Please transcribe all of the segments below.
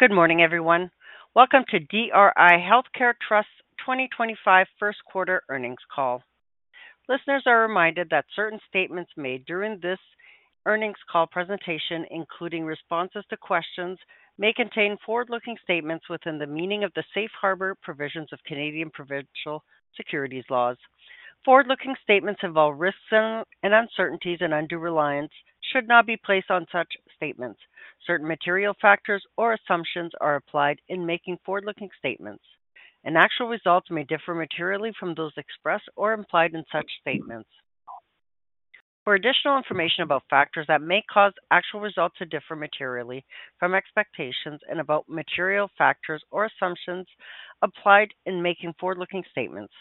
Good morning, everyone. Welcome to DRI Healthcare Trust's 2025 First Quarter Earnings Call. Listeners are reminded that certain statements made during this earnings call presentation, including responses to questions, may contain forward-looking statements within the meaning of the safe harbor provisions of Canadian provincial securities laws. Forward-looking statements involve risks and uncertainties and undue reliance should not be placed on such statements. Certain material factors or assumptions are applied in making forward-looking statements. Actual results may differ materially from those expressed or implied in such statements. For additional information about factors that may cause actual results to differ materially from expectations and about material factors or assumptions applied in making forward-looking statements,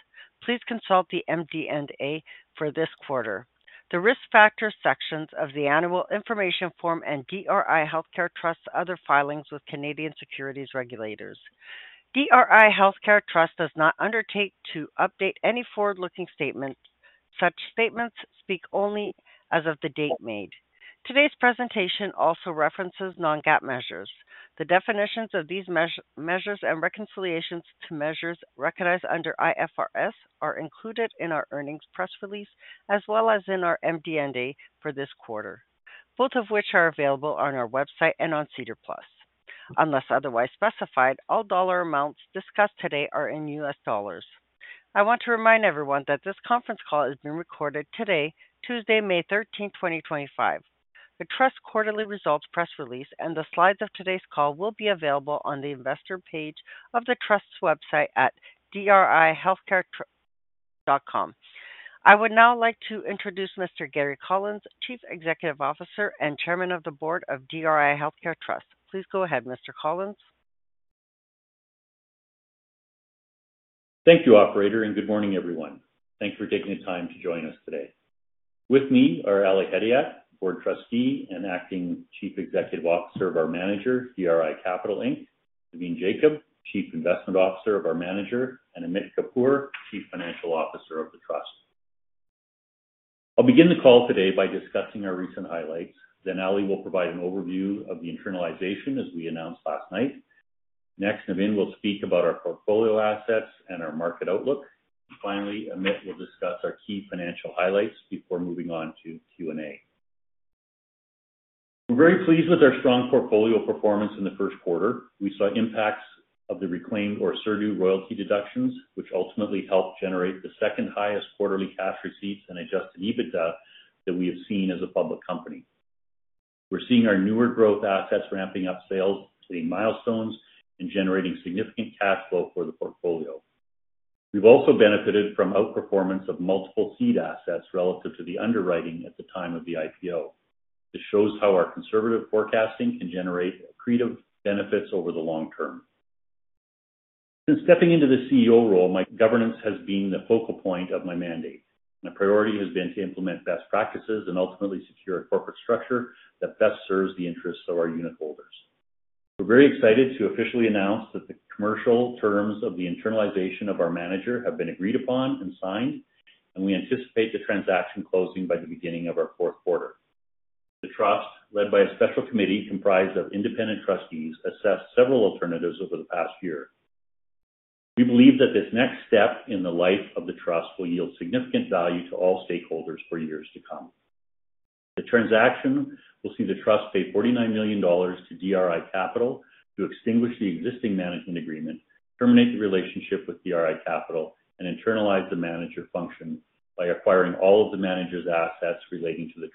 please consult the MD&A for this quarter, the risk factor sections of the annual information form, and DRI Healthcare Trust's other filings with Canadian securities regulators. DRI Healthcare Trust does not undertake to update any forward-looking statements. Such statements speak only as of the date made. Today's presentation also references non-GAAP measures. The definitions of these measures and reconciliations to measures recognized under IFRS are included in our earnings press release as well as in our MD&A for this quarter, both of which are available on our website and on CDER Plus. Unless otherwise specified, all dollar amounts discussed today are in US dollars. I want to remind everyone that this conference call is being recorded today, Tuesday, May 13, 2025. The Trust's quarterly results press release and the slides of today's call will be available on the investor page of the Trust's website at DRIHealthcare.com. I would now like to introduce Mr. Gary Collins, Chief Executive Officer and Chairman of the Board of DRI Healthcare Trust. Please go ahead, Mr. Collins. Thank you, Operator, and good morning, everyone. Thanks for taking the time to join us today. With me are Ali Hedayat, Board Trustee and Acting Chief Executive Officer of our manager, DRI Capital Inc., Navin Jacob, Chief Investment Officer of our manager, and Amit Kapur, Chief Financial Officer of the Trust. I'll begin the call today by discussing our recent highlights. Ali will provide an overview of the internalization as we announced last night. Next, Navin will speak about our portfolio assets and our market outlook. Finally, Amit will discuss our key financial highlights before moving on to Q&A. We're very pleased with our strong portfolio performance in the first quarter. We saw impacts of the reclaimed or asserted royalty deductions, which ultimately helped generate the second highest quarterly cash receipts and adjusted EBITDA that we have seen as a public company. We're seeing our newer growth assets ramping up sales, hitting milestones and generating significant cash flow for the portfolio. We've also benefited from outperformance of multiple seed assets relative to the underwriting at the time of the IPO. This shows how our conservative forecasting can generate accretive benefits over the long term. Since stepping into the CEO role, my governance has been the focal point of my mandate. My priority has been to implement best practices and ultimately secure a corporate structure that best serves the interests of our unit holders. We're very excited to officially announce that the commercial terms of the internalization of our manager have been agreed upon and signed, and we anticipate the transaction closing by the beginning of our fourth quarter. The Trust, led by a special committee comprised of independent trustees, assessed several alternatives over the past year. We believe that this next step in the life of the Trust will yield significant value to all stakeholders for years to come. The transaction will see the Trust pay $49 million to DRI Capital to extinguish the existing management agreement, terminate the relationship with DRI Capital, and internalize the manager function by acquiring all of the manager's assets relating to the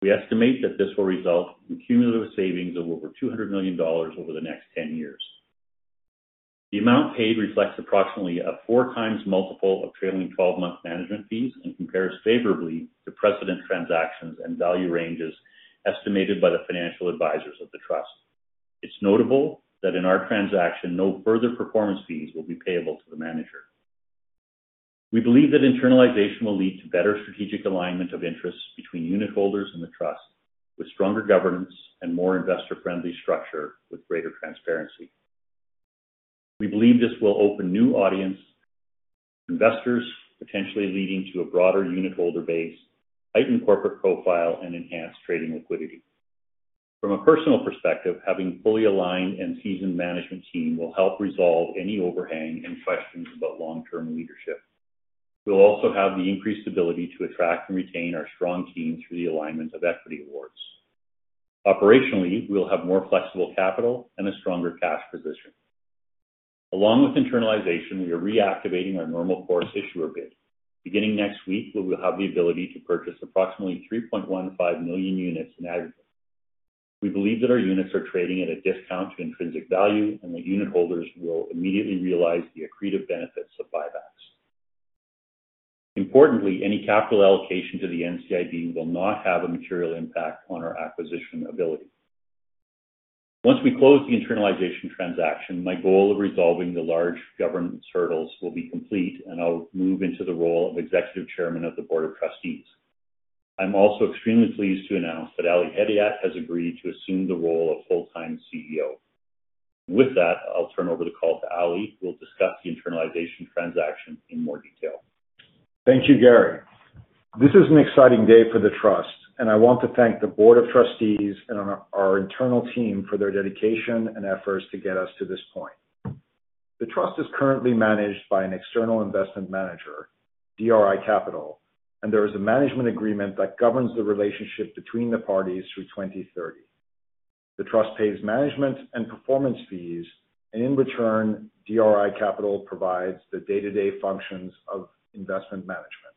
Trust's business. We estimate that this will result in cumulative savings of over $200 million over the next 10 years. The amount paid reflects approximately a four-times multiple of trailing 12-month management fees and compares favorably to precedent transactions and value ranges estimated by the financial advisors of the Trust. It's notable that in our transaction, no further performance fees will be payable to the manager. We believe that internalization will lead to better strategic alignment of interests between unit holders and the Trust, with stronger governance and a more investor-friendly structure with greater transparency. We believe this will open new audience investors, potentially leading to a broader unit holder base, heightened corporate profile, and enhanced trading liquidity. From a personal perspective, having a fully aligned and seasoned management team will help resolve any overhang and questions about long-term leadership. We'll also have the increased ability to attract and retain our strong team through the alignment of equity awards. Operationally, we'll have more flexible capital and a stronger cash position. Along with internalization, we are reactivating our normal course issuer bid. Beginning next week, we will have the ability to purchase approximately 3.15 million units in aggregate. We believe that our units are trading at a discount to intrinsic value and that unit holders will immediately realize the accretive benefits of buybacks. Importantly, any capital allocation to the NCIB will not have a material impact on our acquisition ability. Once we close the internalization transaction, my goal of resolving the large governance hurdles will be complete and I'll move into the role of Executive Chairman of the Board of Trustees. I'm also extremely pleased to announce that Ali Hedayat has agreed to assume the role of full-time CEO. With that, I'll turn over the call to Ali, who will discuss the internalization transaction in more detail. Thank you, Gary. This is an exciting day for the Trust, and I want to thank the Board of Trustees and our internal team for their dedication and efforts to get us to this point. The Trust is currently managed by an external investment manager, DRI Capital, and there is a management agreement that governs the relationship between the parties through 2030. The Trust pays management and performance fees, and in return, DRI Capital provides the day-to-day functions of investment management.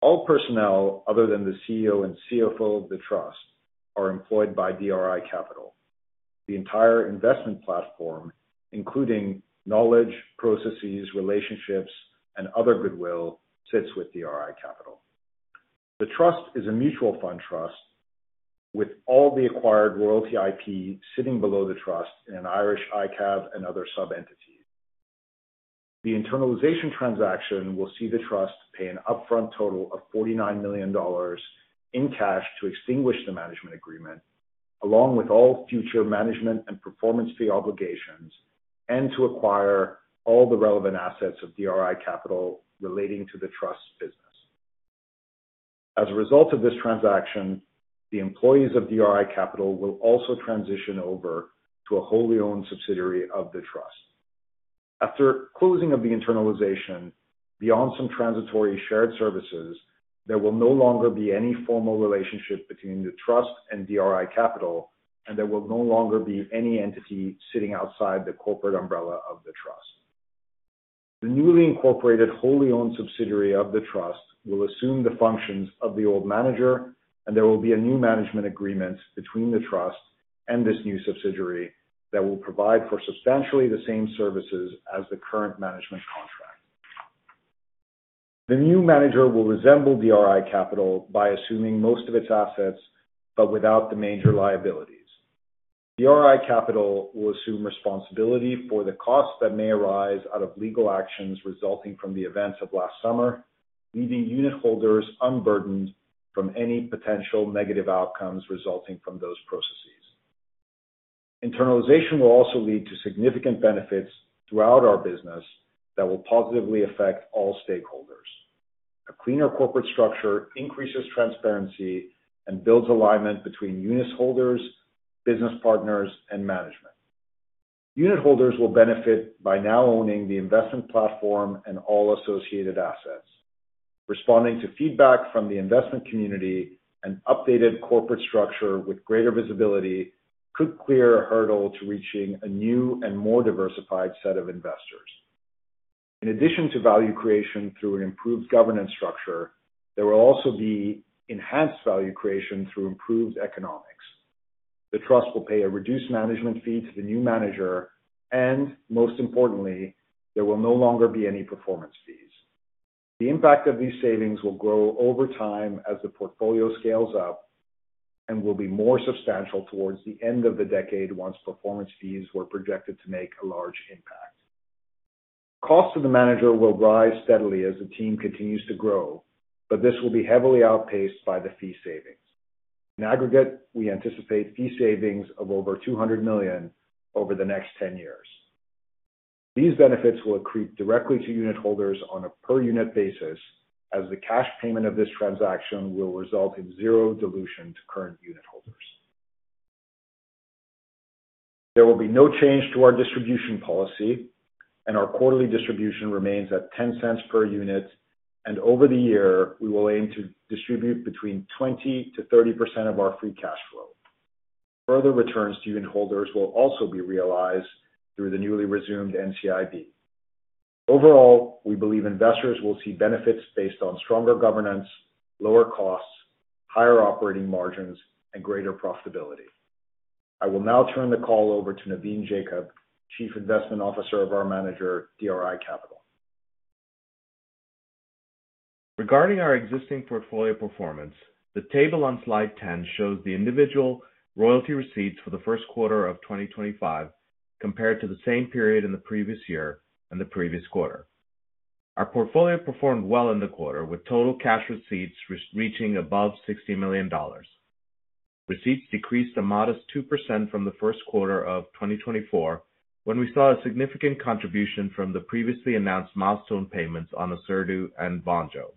All personnel other than the CEO and CFO of the Trust are employed by DRI Capital. The entire investment platform, including knowledge, processes, relationships, and other goodwill, sits with DRI Capital. The Trust is a mutual fund trust with all the acquired royalty IP sitting below the Trust in an Irish ICAV and other sub-entities. The internalization transaction will see the Trust pay an upfront total of $49 million in cash to extinguish the management agreement, along with all future management and performance fee obligations, and to acquire all the relevant assets of DRI Capital relating to the Trust's business. As a result of this transaction, the employees of DRI Capital will also transition over to a wholly owned subsidiary of the Trust. After closing of the internalization, beyond some transitory shared services, there will no longer be any formal relationship between the Trust and DRI Capital, and there will no longer be any entity sitting outside the corporate umbrella of the Trust. The newly incorporated wholly owned subsidiary of the Trust will assume the functions of the old manager, and there will be a new management agreement between the Trust and this new subsidiary that will provide for substantially the same services as the current management contract. The new manager will resemble DRI Capital by assuming most of its assets but without the major liabilities. DRI Capital will assume responsibility for the costs that may arise out of legal actions resulting from the events of last summer, leaving unit holders unburdened from any potential negative outcomes resulting from those processes. Internalization will also lead to significant benefits throughout our business that will positively affect all stakeholders. A cleaner corporate structure increases transparency and builds alignment between unit holders, business partners, and management. Unit holders will benefit by now owning the investment platform and all associated assets. Responding to feedback from the investment community and updated corporate structure with greater visibility could clear a hurdle to reaching a new and more diversified set of investors. In addition to value creation through an improved governance structure, there will also be enhanced value creation through improved economics. The Trust will pay a reduced management fee to the new manager, and most importantly, there will no longer be any performance fees. The impact of these savings will grow over time as the portfolio scales up and will be more substantial towards the end of the decade once performance fees were projected to make a large impact. Costs to the manager will rise steadily as the team continues to grow, but this will be heavily outpaced by the fee savings. In aggregate, we anticipate fee savings of over $200 million over the next 10 years. These benefits will accrete directly to unit holders on a per-unit basis as the cash payment of this transaction will result in zero dilution to current unit holders. There will be no change to our distribution policy, and our quarterly distribution remains at $0.10 per unit, and over the year, we will aim to distribute between 20%-30% of our free cash flow. Further returns to unit holders will also be realized through the newly resumed NCIB. Overall, we believe investors will see benefits based on stronger governance, lower costs, higher operating margins, and greater profitability. I will now turn the call over to Navin Jacob, Chief Investment Officer of our manager, DRI Capital. Regarding our existing portfolio performance, the table on slide 10 shows the individual royalty receipts for the first quarter of 2025 compared to the same period in the previous year and the previous quarter. Our portfolio performed well in the quarter, with total cash receipts reaching above $60 million. Receipts decreased a modest 2% from the first quarter of 2024 when we saw a significant contribution from the previously announced milestone payments on Asserdu and Bonjo.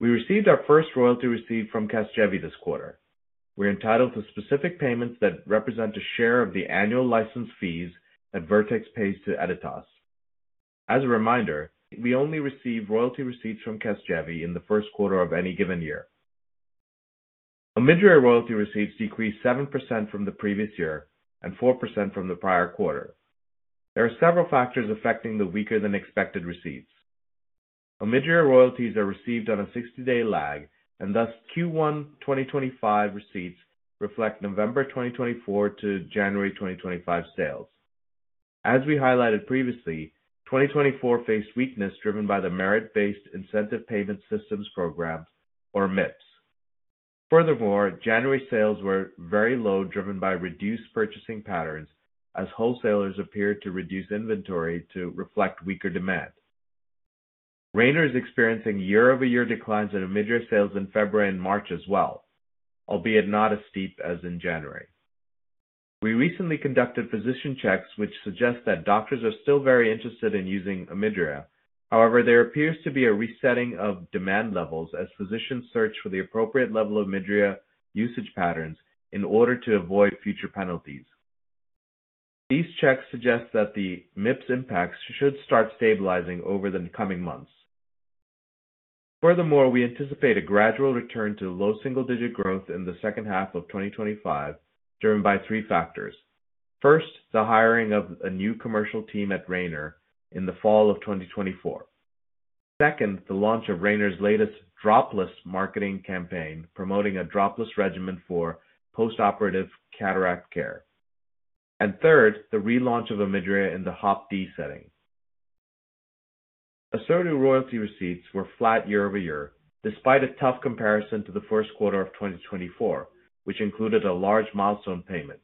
We received our first royalty receipt from CASGEVY this quarter. We're entitled to specific payments that represent a share of the annual license fees that Vertex pays to Editas. As a reminder, we only receive royalty receipts from CASGEVY in the first quarter of any given year. Omidria royalty receipts decreased 7% from the previous year and 4% from the prior quarter. There are several factors affecting the weaker-than-expected receipts. Omidria royalties are received on a 60-day lag, and thus Q1 2025 receipts reflect November 2024 to January 2025 sales. As we highlighted previously, 2024 faced weakness driven by the Merit-Based Incentive Payment System program, or MIPS. Furthermore, January sales were very low, driven by reduced purchasing patterns as wholesalers appeared to reduce inventory to reflect weaker demand. Rainer is experiencing year-over-year declines in Omidria sales in February and March as well, albeit not as steep as in January. We recently conducted physician checks, which suggest that doctors are still very interested in using Omidria; however, there appears to be a resetting of demand levels as physicians search for the appropriate level of Omidria usage patterns in order to avoid future penalties. These checks suggest that the MIPS impacts should start stabilizing over the coming months. Furthermore, we anticipate a gradual return to low single-digit growth in the second half of 2025 driven by three factors. First, the hiring of a new commercial team at Rainer in the fall of 2024. Second, the launch of Rainer's latest Dropless marketing campaign promoting a Dropless regimen for post-operative cataract care. Third, the relaunch of Omidria in the HOPD setting. Asserdu royalty receipts were flat year-over-year despite a tough comparison to the first quarter of 2024, which included a large milestone payment.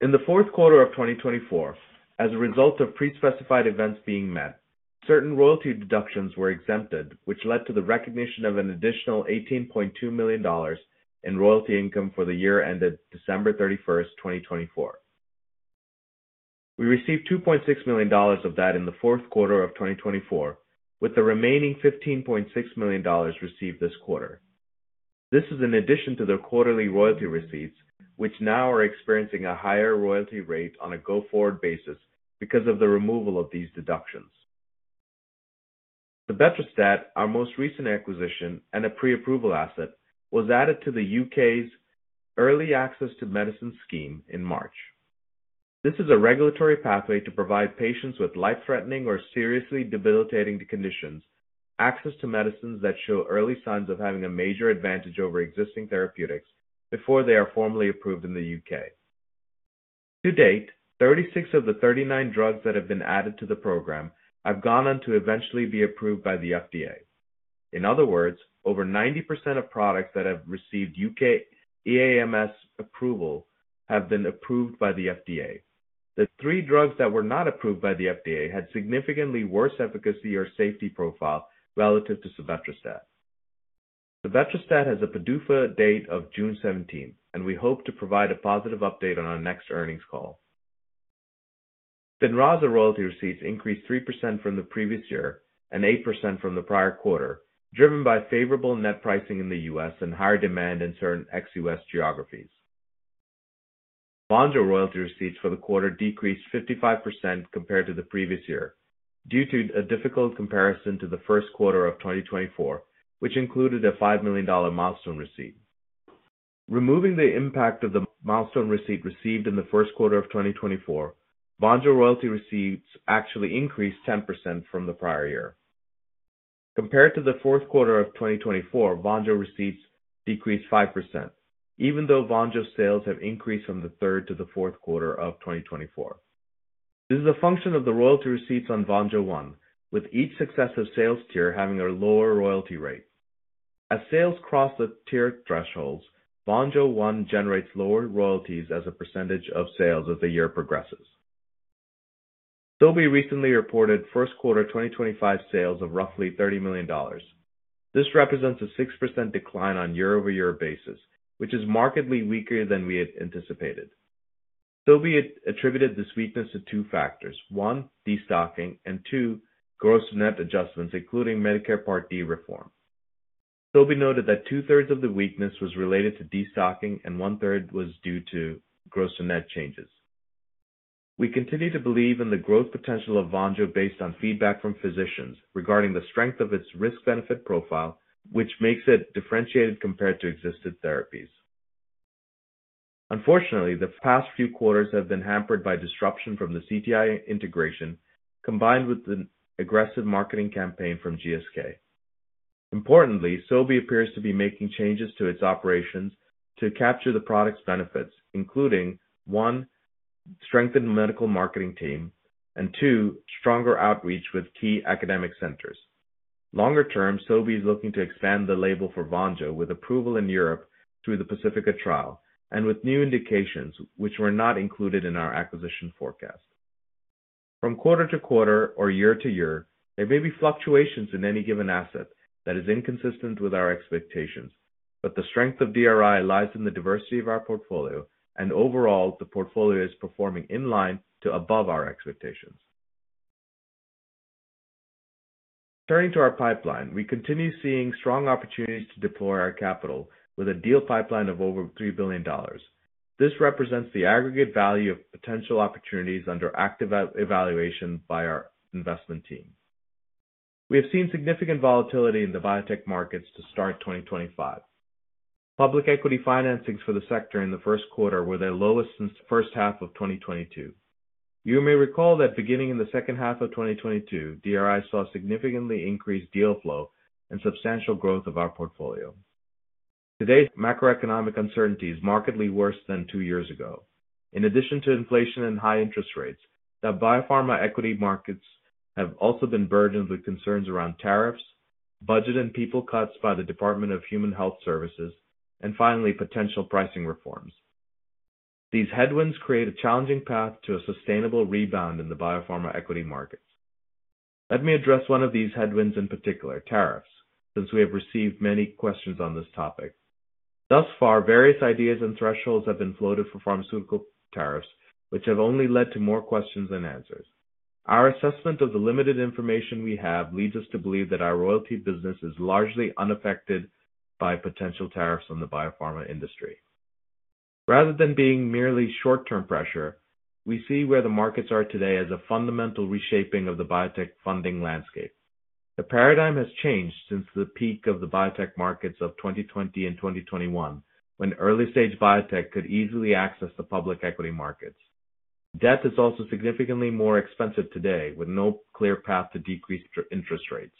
In the fourth quarter of 2024, as a result of pre-specified events being met, certain royalty deductions were exempted, which led to the recognition of an additional $18.2 million in royalty income for the year ended December 31, 2024. We received $2.6 million of that in the fourth quarter of 2024, with the remaining $15.6 million received this quarter. This is in addition to the quarterly royalty receipts, which now are experiencing a higher royalty rate on a go-forward basis because of the removal of these deductions. The Sebetralstat, our most recent acquisition and a pre-approval asset, was added to the U.K.'s Early Access to Medicines Scheme in March. This is a regulatory pathway to provide patients with life-threatening or seriously debilitating conditions access to medicines that show early signs of having a major advantage over existing therapeutics before they are formally approved in the U.K. To date, 36 of the 39 drugs that have been added to the program have gone on to eventually be approved by the FDA. In other words, over 90% of products that have received U.K. EAMS approval have been approved by the FDA. The three drugs that were not approved by the FDA had significantly worse efficacy or safety profile relative to Sebetralstat. Sebetralstat has a PDUFA date of June 17, and we hope to provide a positive update on our next earnings call. Finteza royalty receipts increased 3% from the previous year and 8% from the prior quarter, driven by favorable net pricing in the US and higher demand in certain ex-U.S. geographies. Bonjo royalty receipts for the quarter decreased 55% compared to the previous year due to a difficult comparison to the first quarter of 2024, which included a $5 million milestone receipt. Removing the impact of the milestone receipt received in the first quarter of 2024, Bonjo royalty receipts actually increased 10% from the prior year. Compared to the fourth quarter of 2024, Bonjo receipts decreased 5%, even though Bonjo sales have increased from the third to the fourth quarter of 2024. This is a function of the royalty receipts on Bonjo One, with each successive sales tier having a lower royalty rate. As sales cross the tier thresholds, Bonjo One generates lower royalties as a percentage of sales as the year progresses. Sobi recently reported first quarter 2025 sales of roughly $30 million. This represents a 6% decline on a year-over-year basis, which is markedly weaker than we had anticipated. Sobi attributed this weakness to two factors: one, destocking, and two, gross net adjustments, including Medicare Part D reform. Sobi noted that two-thirds of the weakness was related to destocking and one-third was due to gross net changes. We continue to believe in the growth potential of Bonjo based on feedback from physicians regarding the strength of its risk-benefit profile, which makes it differentiated compared to existing therapies. Unfortunately, the past few quarters have been hampered by disruption from the CTI integration combined with the aggressive marketing campaign from GSK. Importantly, Sobi appears to be making changes to its operations to capture the product's benefits, including: one, strengthened medical marketing team; and two, stronger outreach with key academic centers. Longer term, Sobi is looking to expand the label for Bonjo with approval in Europe through the Pacifica trial and with new indications, which were not included in our acquisition forecast. From quarter to quarter or year to year, there may be fluctuations in any given asset that is inconsistent with our expectations, but the strength of DRI lies in the diversity of our portfolio, and overall, the portfolio is performing in line to above our expectations. Turning to our pipeline, we continue seeing strong opportunities to deploy our capital with a deal pipeline of over $3 billion. This represents the aggregate value of potential opportunities under active evaluation by our investment team. We have seen significant volatility in the biotech markets to start 2025. Public equity financings for the sector in the first quarter were their lowest since the first half of 2022. You may recall that beginning in the second half of 2022, DRI saw significantly increased deal flow and substantial growth of our portfolio. Today, macroeconomic uncertainties are markedly worse than two years ago. In addition to inflation and high interest rates, the biopharma equity markets have also been burdened with concerns around tariffs, budget and people cuts by the Department of Human Health Services, and finally, potential pricing reforms. These headwinds create a challenging path to a sustainable rebound in the biopharma equity markets. Let me address one of these headwinds in particular: tariffs, since we have received many questions on this topic. Thus far, various ideas and thresholds have been floated for pharmaceutical tariffs, which have only led to more questions than answers. Our assessment of the limited information we have leads us to believe that our royalty business is largely unaffected by potential tariffs on the biopharma industry. Rather than being merely short-term pressure, we see where the markets are today as a fundamental reshaping of the biotech funding landscape. The paradigm has changed since the peak of the biotech markets of 2020 and 2021, when early-stage biotech could easily access the public equity markets. Debt is also significantly more expensive today, with no clear path to decreased interest rates.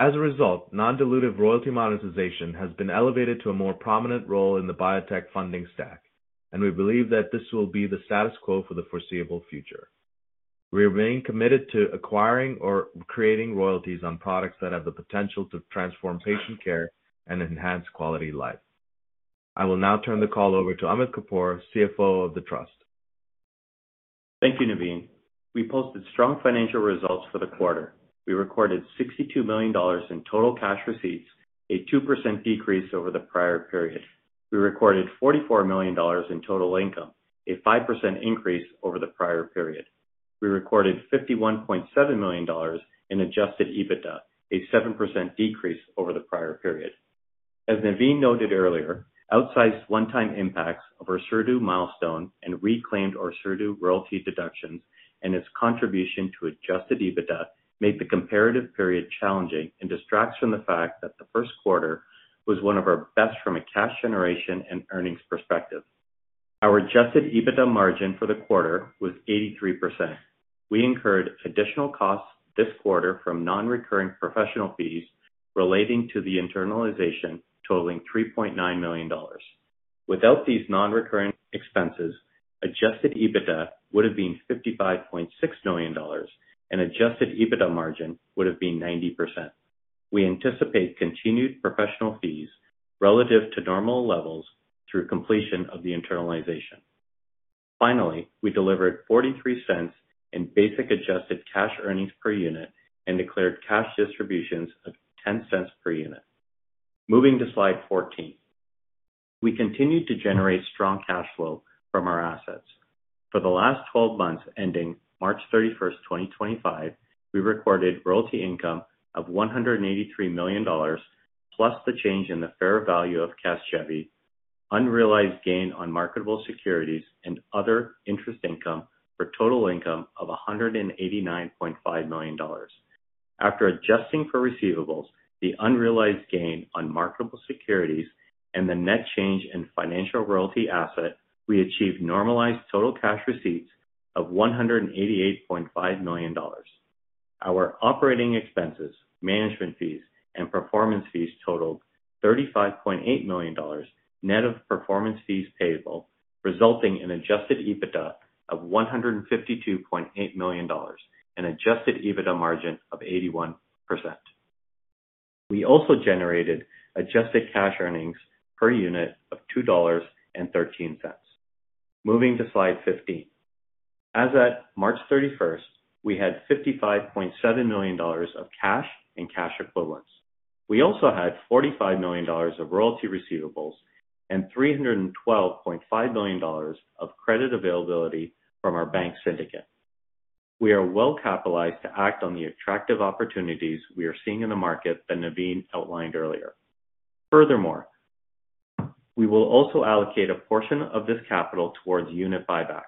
As a result, non-dilutive royalty monetization has been elevated to a more prominent role in the biotech funding stack, and we believe that this will be the status quo for the foreseeable future. We remain committed to acquiring or creating royalties on products that have the potential to transform patient care and enhance quality of life. I will now turn the call over to Amit Kapur, CFO of the Trust. Thank you, Navin. We posted strong financial results for the quarter. We recorded $62 million in total cash receipts, a 2% decrease over the prior period. We recorded $44 million in total income, a 5% increase over the prior period. We recorded $51.7 million in adjusted EBITDA, a 7% decrease over the prior period. As Navin noted earlier, outsized one-time impacts of Asserdu milestone and reclaimed Asserdu royalty deductions and its contribution to adjusted EBITDA made the comparative period challenging and distracts from the fact that the first quarter was one of our best from a cash generation and earnings perspective. Our adjusted EBITDA margin for the quarter was 83%. We incurred additional costs this quarter from non-recurring professional fees relating to the internalization totaling $3.9 million. Without these non-recurring expenses, adjusted EBITDA would have been $55.6 million, and adjusted EBITDA margin would have been 90%. We anticipate continued professional fees relative to normal levels through completion of the internalization. Finally, we delivered $0.43 in basic adjusted cash earnings per unit and declared cash distributions of $0.10 per unit. Moving to slide 14, we continued to generate strong cash flow from our assets. For the last 12 months ending March 31, 2025, we recorded royalty income of $183 million, plus the change in the fair value of CASGEVY, unrealized gain on marketable securities, and other interest income for total income of $189.5 million. After adjusting for receivables, the unrealized gain on marketable securities, and the net change in financial royalty asset, we achieved normalized total cash receipts of $188.5 million. Our operating expenses, management fees, and performance fees totaled $35.8 million net of performance fees payable, resulting in adjusted EBITDA of $152.8 million and adjusted EBITDA margin of 81%. We also generated adjusted cash earnings per unit of $2.13. Moving to slide 15, as at March 31, we had $55.7 million of cash and cash equivalents. We also had $45 million of royalty receivables and $312.5 million of credit availability from our bank syndicate. We are well-capitalized to act on the attractive opportunities we are seeing in the market that Navin outlined earlier. Furthermore, we will also allocate a portion of this capital towards unit buybacks.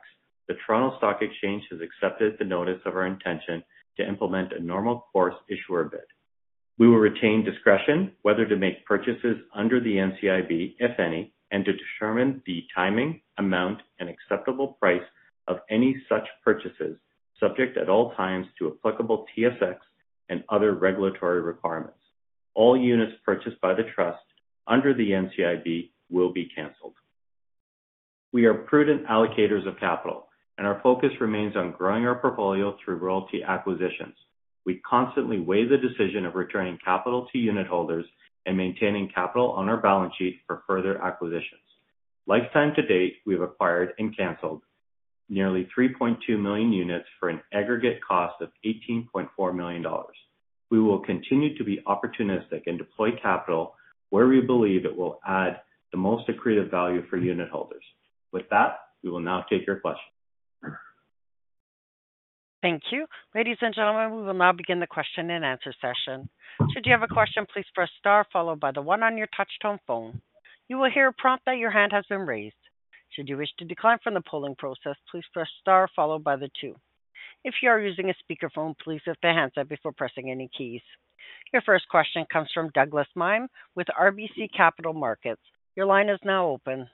The Toronto Stock Exchange has accepted the notice of our intention to implement a normal course issuer bid. We will retain discretion whether to make purchases under the NCIB, if any, and to determine the timing, amount, and acceptable price of any such purchases, subject at all times to applicable TSX and other regulatory requirements. All units purchased by the Trust under the NCIB will be canceled. We are prudent allocators of capital, and our focus remains on growing our portfolio through royalty acquisitions. We constantly weigh the decision of returning capital to unit holders and maintaining capital on our balance sheet for further acquisitions. Lifetime to date, we have acquired and canceled nearly 3.2 million units for an aggregate cost of $18.4 million. We will continue to be opportunistic and deploy capital where we believe it will add the most accretive value for unit holders. With that, we will now take your questions. Thank you. Ladies and gentlemen, we will now begin the question and answer session. Should you have a question, please press star followed by the one on your touch-tone phone. You will hear a prompt that your hand has been raised. Should you wish to decline from the polling process, please press star followed by the two. If you are using a speakerphone, please lift the handset before pressing any keys. Your first question comes from Douglas Miehm with RBC Capital Markets. Your line is now open.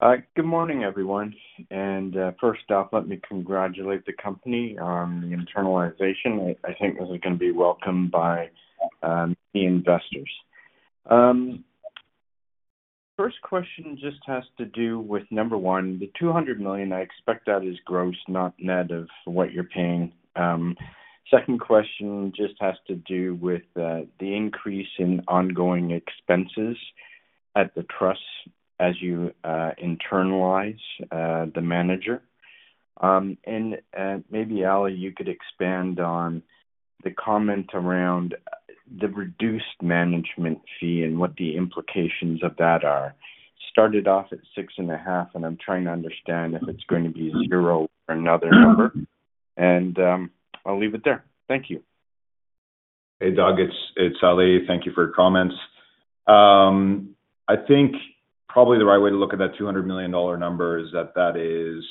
Good morning, everyone. First off, let me congratulate the company on the internalization. I think this is going to be welcomed by the investors. First question just has to do with number one, the $200 million. I expect that is gross, not net of what you're paying. Second question just has to do with the increase in ongoing expenses at the Trust as you internalize the manager. Maybe, Ali, you could expand on the comment around the reduced management fee and what the implications of that are. Started off at six and a half, and I'm trying to understand if it's going to be zero or another number. I'll leave it there. Thank you. Hey, Doug. It's Ali. Thank you for your comments. I think probably the right way to look at that $200 million number is that that is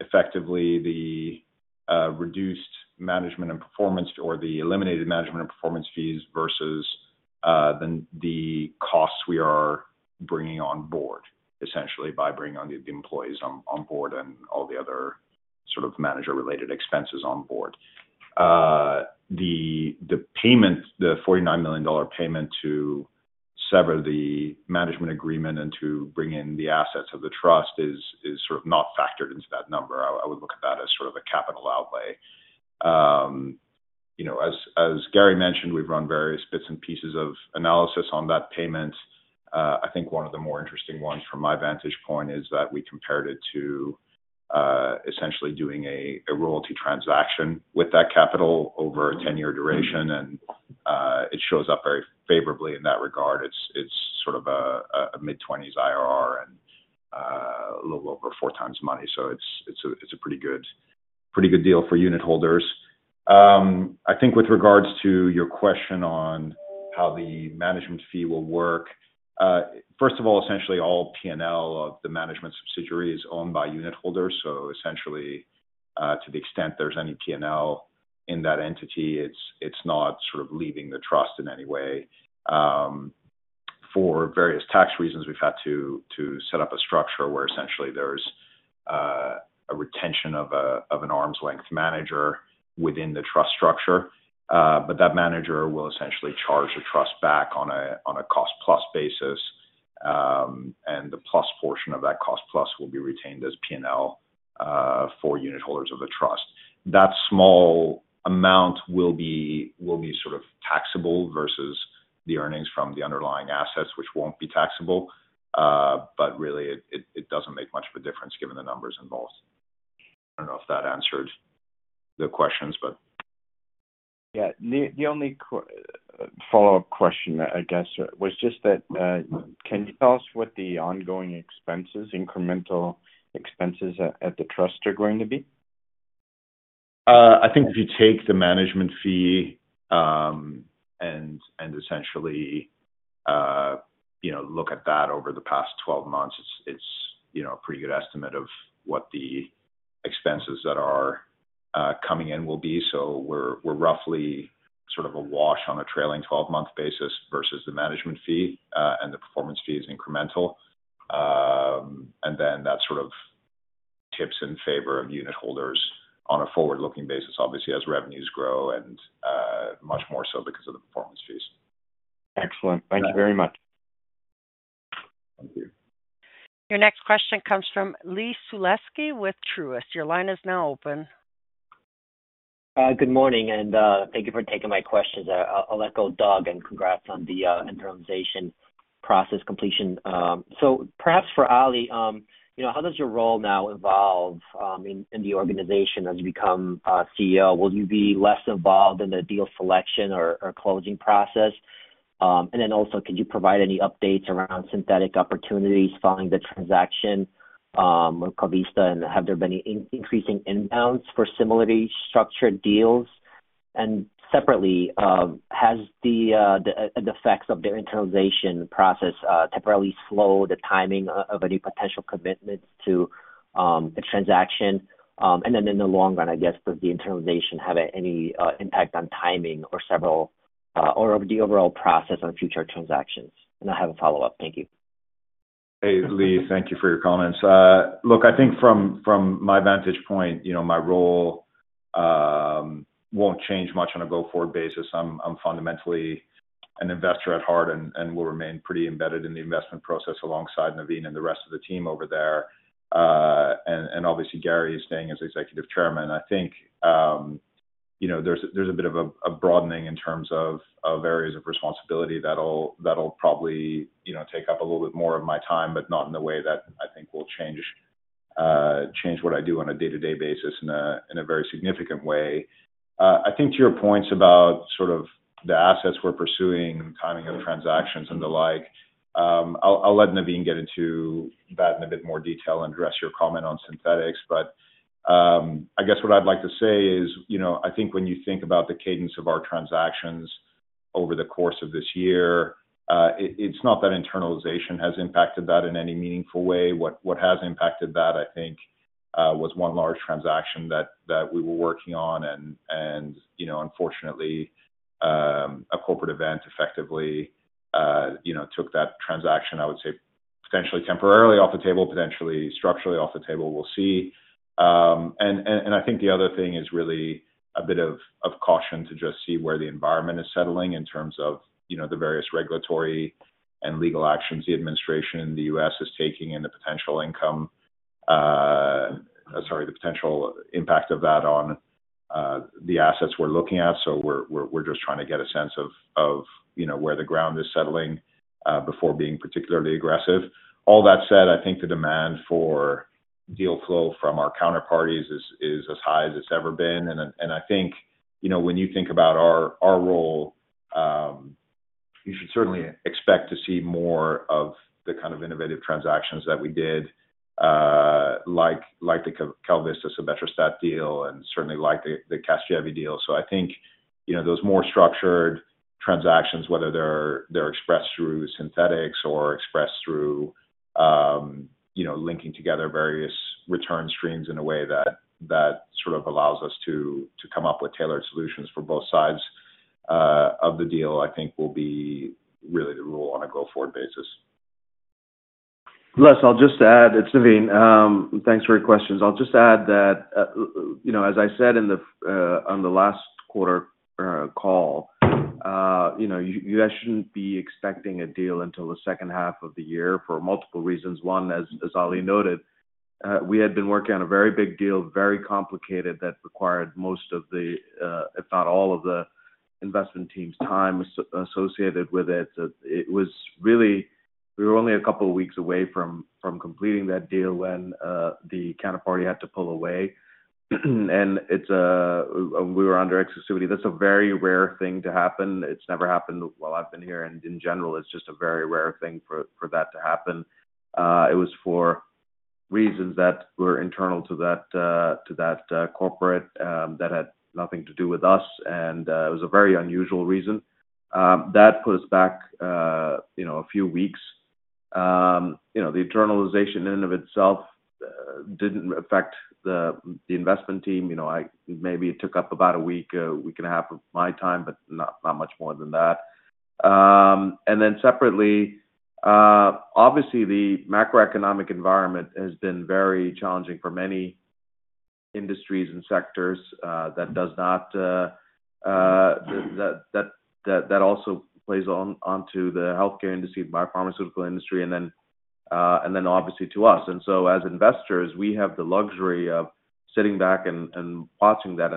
effectively the reduced management and performance or the eliminated management and performance fees versus the costs we are bringing on board, essentially by bringing on the employees on board and all the other sort of manager-related expenses on board. The payment, the $49 million payment to sever the management agreement and to bring in the assets of the Trust is sort of not factored into that number. I would look at that as sort of a capital outlay. As Gary mentioned, we've run various bits and pieces of analysis on that payment. I think one of the more interesting ones from my vantage point is that we compared it to essentially doing a royalty transaction with that capital over a 10-year duration, and it shows up very favorably in that regard. It is sort of a mid-20s IRR and a little over four times money. It is a pretty good deal for unit holders. I think with regards to your question on how the management fee will work, first of all, essentially all P&L of the management subsidiary is owned by unit holders. Essentially, to the extent there is any P&L in that entity, it is not sort of leaving the Trust in any way. For various tax reasons, we've had to set up a structure where essentially there's a retention of an arm's length manager within the Trust structure, but that manager will essentially charge the Trust back on a cost-plus basis, and the plus portion of that cost-plus will be retained as P&L for unit holders of the Trust. That small amount will be sort of taxable versus the earnings from the underlying assets, which won't be taxable. Really it doesn't make much of a difference given the numbers involved. I don't know if that answered the questions, but. Yeah. The only follow-up question, I guess, was just that can you tell us what the ongoing expenses, incremental expenses at the Trust are going to be? I think if you take the management fee and essentially look at that over the past 12 months, it's a pretty good estimate of what the expenses that are coming in will be. We're roughly sort of awash on a trailing 12-month basis versus the management fee, and the performance fee is incremental. That sort of tips in favor of unit holders on a forward-looking basis, obviously, as revenues grow and much more so because of the performance fees. Excellent. Thank you very much. Thank you. Your next question comes from Lee Suleski with Truist. Your line is now open. Good morning, and thank you for taking my questions. I'll let go of Doug and congrats on the internalization process completion. Perhaps for Ali, how does your role now evolve in the organization as you become CEO? Will you be less involved in the deal selection or closing process? Also, could you provide any updates around synthetic opportunities following the transaction with CalVista, and have there been any increasing inbounds for similarly structured deals? Separately, has the effects of the internalization process temporarily slowed the timing of any potential commitments to the transaction? In the long run, I guess, does the internalization have any impact on timing or the overall process on future transactions? I have a follow-up. Thank you. Hey, Lee. Thank you for your comments. Look, I think from my vantage point, my role won't change much on a go-forward basis. I'm fundamentally an investor at heart and will remain pretty embedded in the investment process alongside Navin and the rest of the team over there. Obviously, Gary is staying as Executive Chairman. I think there's a bit of a broadening in terms of areas of responsibility that'll probably take up a little bit more of my time, but not in a way that I think will change what I do on a day-to-day basis in a very significant way. I think to your points about sort of the assets we're pursuing, timing of transactions and the like, I'll let Navin get into that in a bit more detail and address your comment on synthetics. I guess what I'd like to say is I think when you think about the cadence of our transactions over the course of this year, it's not that internalization has impacted that in any meaningful way. What has impacted that, I think, was one large transaction that we were working on, and unfortunately, a corporate event effectively took that transaction, I would say, potentially temporarily off the table, potentially structurally off the table. We'll see. I think the other thing is really a bit of caution to just see where the environment is settling in terms of the various regulatory and legal actions the administration in the U.S. is taking and the potential income—sorry, the potential impact of that on the assets we're looking at. We're just trying to get a sense of where the ground is settling before being particularly aggressive. All that said, I think the demand for deal flow from our counterparties is as high as it's ever been. I think when you think about our role, you should certainly expect to see more of the kind of innovative transactions that we did, like the CalVista/Sebetralstat deal and certainly like the CASGEVY deal. I think those more structured transactions, whether they're expressed through synthetics or expressed through linking together various return streams in a way that sort of allows us to come up with tailored solutions for both sides of the deal, I think will be really the rule on a go-forward basis. Less, I'll just add—it's Navin. Thanks for your questions. I'll just add that, as I said on the last quarter call, you guys shouldn't be expecting a deal until the second half of the year for multiple reasons. One, as Ali noted, we had been working on a very big deal, very complicated, that required most of the, if not all of the investment team's time associated with it. It was really—we were only a couple of weeks away from completing that deal when the counterparty had to pull away. We were under exclusivity. That's a very rare thing to happen. It's never happened while I've been here. In general, it's just a very rare thing for that to happen. It was for reasons that were internal to that corporate that had nothing to do with us. It was a very unusual reason. That put us back a few weeks. The internalization in and of itself did not affect the investment team. Maybe it took up about a week, a week and a half of my time, but not much more than that. Then separately, obviously, the macroeconomic environment has been very challenging for many industries and sectors. That also plays onto the healthcare industry, the biopharmaceutical industry, and obviously to us. As investors, we have the luxury of sitting back and watching that.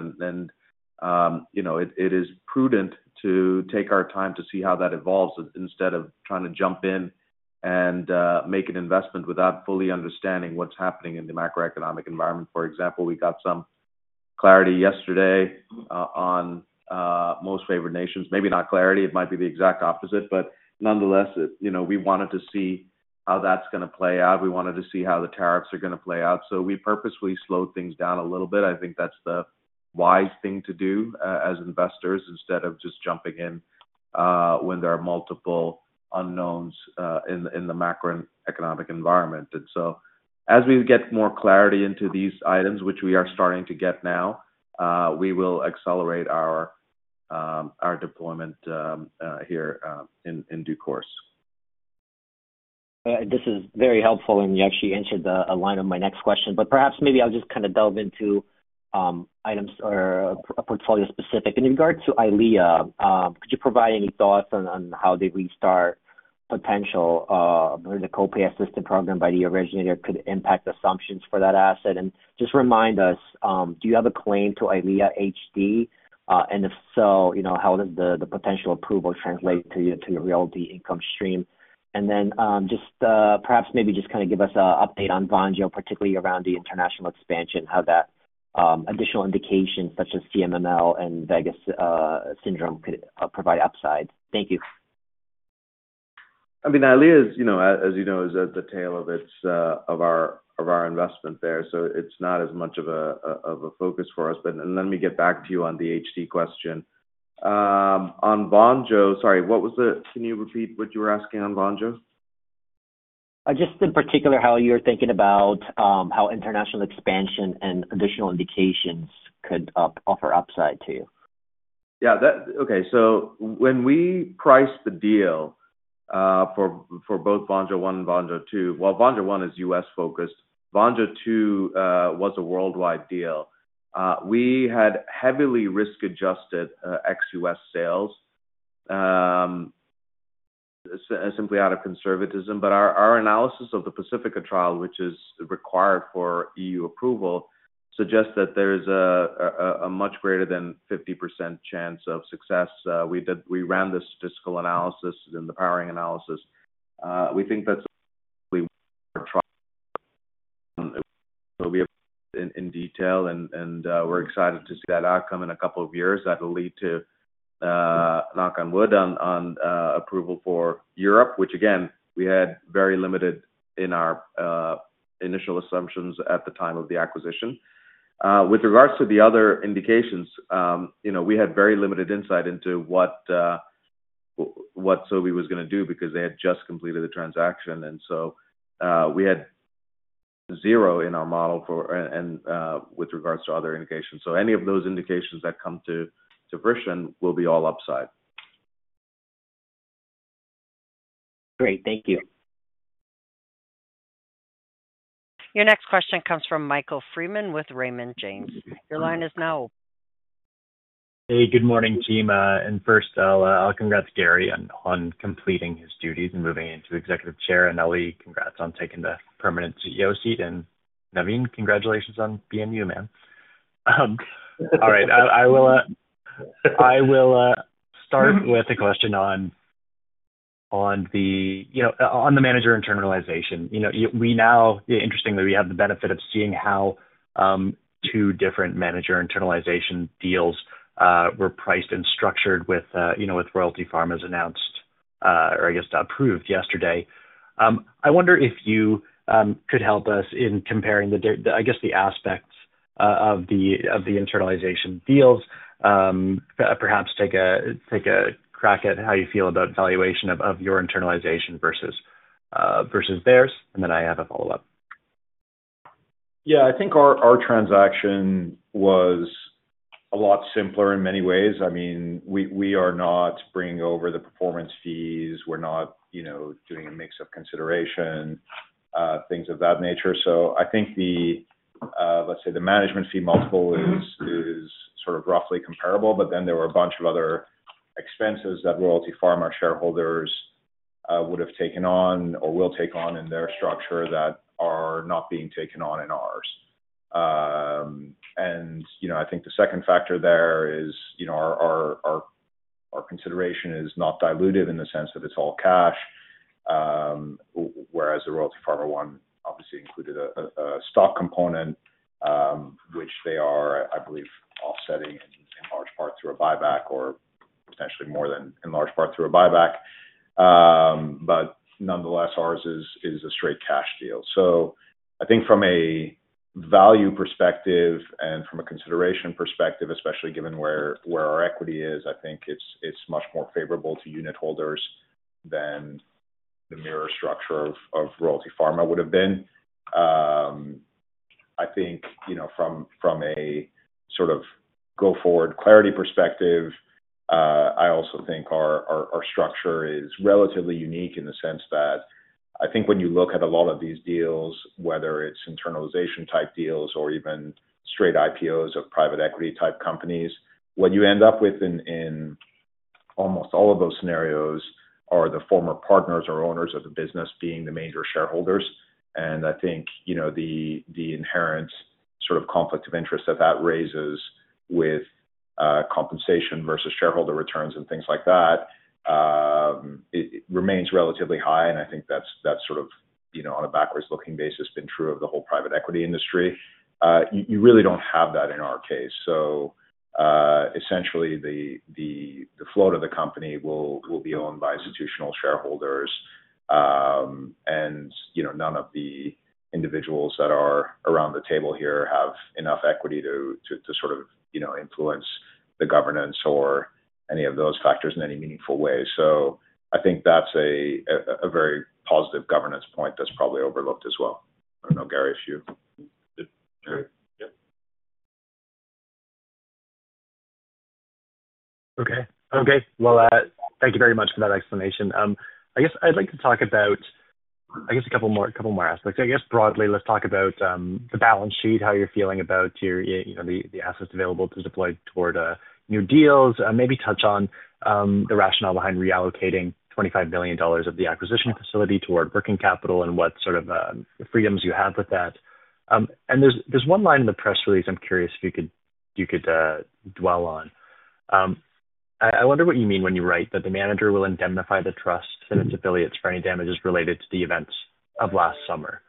It is prudent to take our time to see how that evolves instead of trying to jump in and make an investment without fully understanding what is happening in the macroeconomic environment. For example, we got some clarity yesterday on most favored nations. Maybe not clarity. It might be the exact opposite. Nonetheless, we wanted to see how that is going to play out. We wanted to see how the tariffs are going to play out. We purposely slowed things down a little bit. I think that is the wise thing to do as investors instead of just jumping in when there are multiple unknowns in the macroeconomic environment. As we get more clarity into these items, which we are starting to get now, we will accelerate our deployment here in due course. This is very helpful. You actually answered a line of my next question. Perhaps maybe I'll just kind of delve into items or portfolio specific. In regards to Eylea, could you provide any thoughts on how the Restart potential or the copay assistance program by the originator could impact assumptions for that asset? Just remind us, do you have a claim to Eylea HD? If so, how does the potential approval translate to your royalty income stream? Perhaps maybe just kind of give us an update on Vangio, particularly around the international expansion, how that additional indication such as CMML and Vegas syndrome could provide upside. Thank you. I mean, Eylea is, as you know, at the tail of our investment there. It is not as much of a focus for us. Let me get back to you on the HD question. On Vangio, sorry, what was the—can you repeat what you were asking on Vangio? Just in particular, how you're thinking about how international expansion and additional indications could offer upside to you. Yeah. Okay. So when we priced the deal for both Vangio 1 and Vangio 2, well, Vangio 1 is U.S.-focused. Vangio 2 was a worldwide deal. We had heavily risk-adjusted ex-US sales, simply out of conservatism. But our analysis of the Pacifica trial, which is required for EU approval, suggests that there is a much greater than 50% chance of success. We ran this statistical analysis and the powering analysis. We think that's a trend. We'll be able to—in detail. And we're excited to see that outcome in a couple of years that will lead to, knock on wood, an approval for Europe, which, again, we had very limited in our initial assumptions at the time of the acquisition. With regards to the other indications, we had very limited insight into what Sobi was going to do because they had just completed the transaction. We had zero in our model with regards to other indications. Any of those indications that come to fruition will be all upside. Great. Thank you. Your next question comes from Michael Freeman with Raymond James. Your line is now open. Hey, good morning, team. First, I'll congrats Gary on completing his duties and moving into Executive Chair. Ali, congrats on taking the permanent CEO seat. Navin, congratulations on being you, man. All right. I will start with a question on the manager internalization. We now, interestingly, have the benefit of seeing how two different manager internalization deals were priced and structured with Royalty Pharma's announced, or I guess approved yesterday. I wonder if you could help us in comparing, I guess, the aspects of the internalization deals, perhaps take a crack at how you feel about valuation of your internalization versus theirs. I have a follow-up. Yeah. I think our transaction was a lot simpler in many ways. I mean, we are not bringing over the performance fees. We are not doing a mix of consideration, things of that nature. I think, let's say, the management fee multiple is sort of roughly comparable. There were a bunch of other expenses that Royalty Pharma shareholders would have taken on or will take on in their structure that are not being taken on in ours. I think the second factor there is our consideration is not diluted in the sense that it is all cash, whereas the Royalty Pharma one obviously included a stock component, which they are, I believe, offsetting in large part through a buyback or potentially more than in large part through a buyback. Nonetheless, ours is a straight cash deal. I think from a value perspective and from a consideration perspective, especially given where our equity is, I think it's much more favorable to unit holders than the mirror structure of Royalty Pharma would have been. I think from a sort of go-forward clarity perspective, I also think our structure is relatively unique in the sense that I think when you look at a lot of these deals, whether it's internalization-type deals or even straight IPOs of private equity-type companies, what you end up with in almost all of those scenarios are the former partners or owners of the business being the major shareholders. I think the inherent sort of conflict of interest that that raises with compensation versus shareholder returns and things like that remains relatively high. I think that's sort of, on a backwards-looking basis, been true of the whole private equity industry. You really do not have that in our case. Essentially, the float of the company will be owned by institutional shareholders. None of the individuals that are around the table here have enough equity to sort of influence the governance or any of those factors in any meaningful way. I think that is a very positive governance point that is probably overlooked as well. I do not know, Gary, if you— Okay. Thank you very much for that explanation. I guess I'd like to talk about, I guess, a couple more aspects. I guess broadly, let's talk about the balance sheet, how you're feeling about the assets available to deploy toward new deals, maybe touch on the rationale behind reallocating $25 billion of the acquisition facility toward working capital and what sort of freedoms you have with that. There's one line in the press release I'm curious if you could dwell on. I wonder what you mean when you write that the manager will indemnify the trust and its affiliates for any damages related to the events of last summer.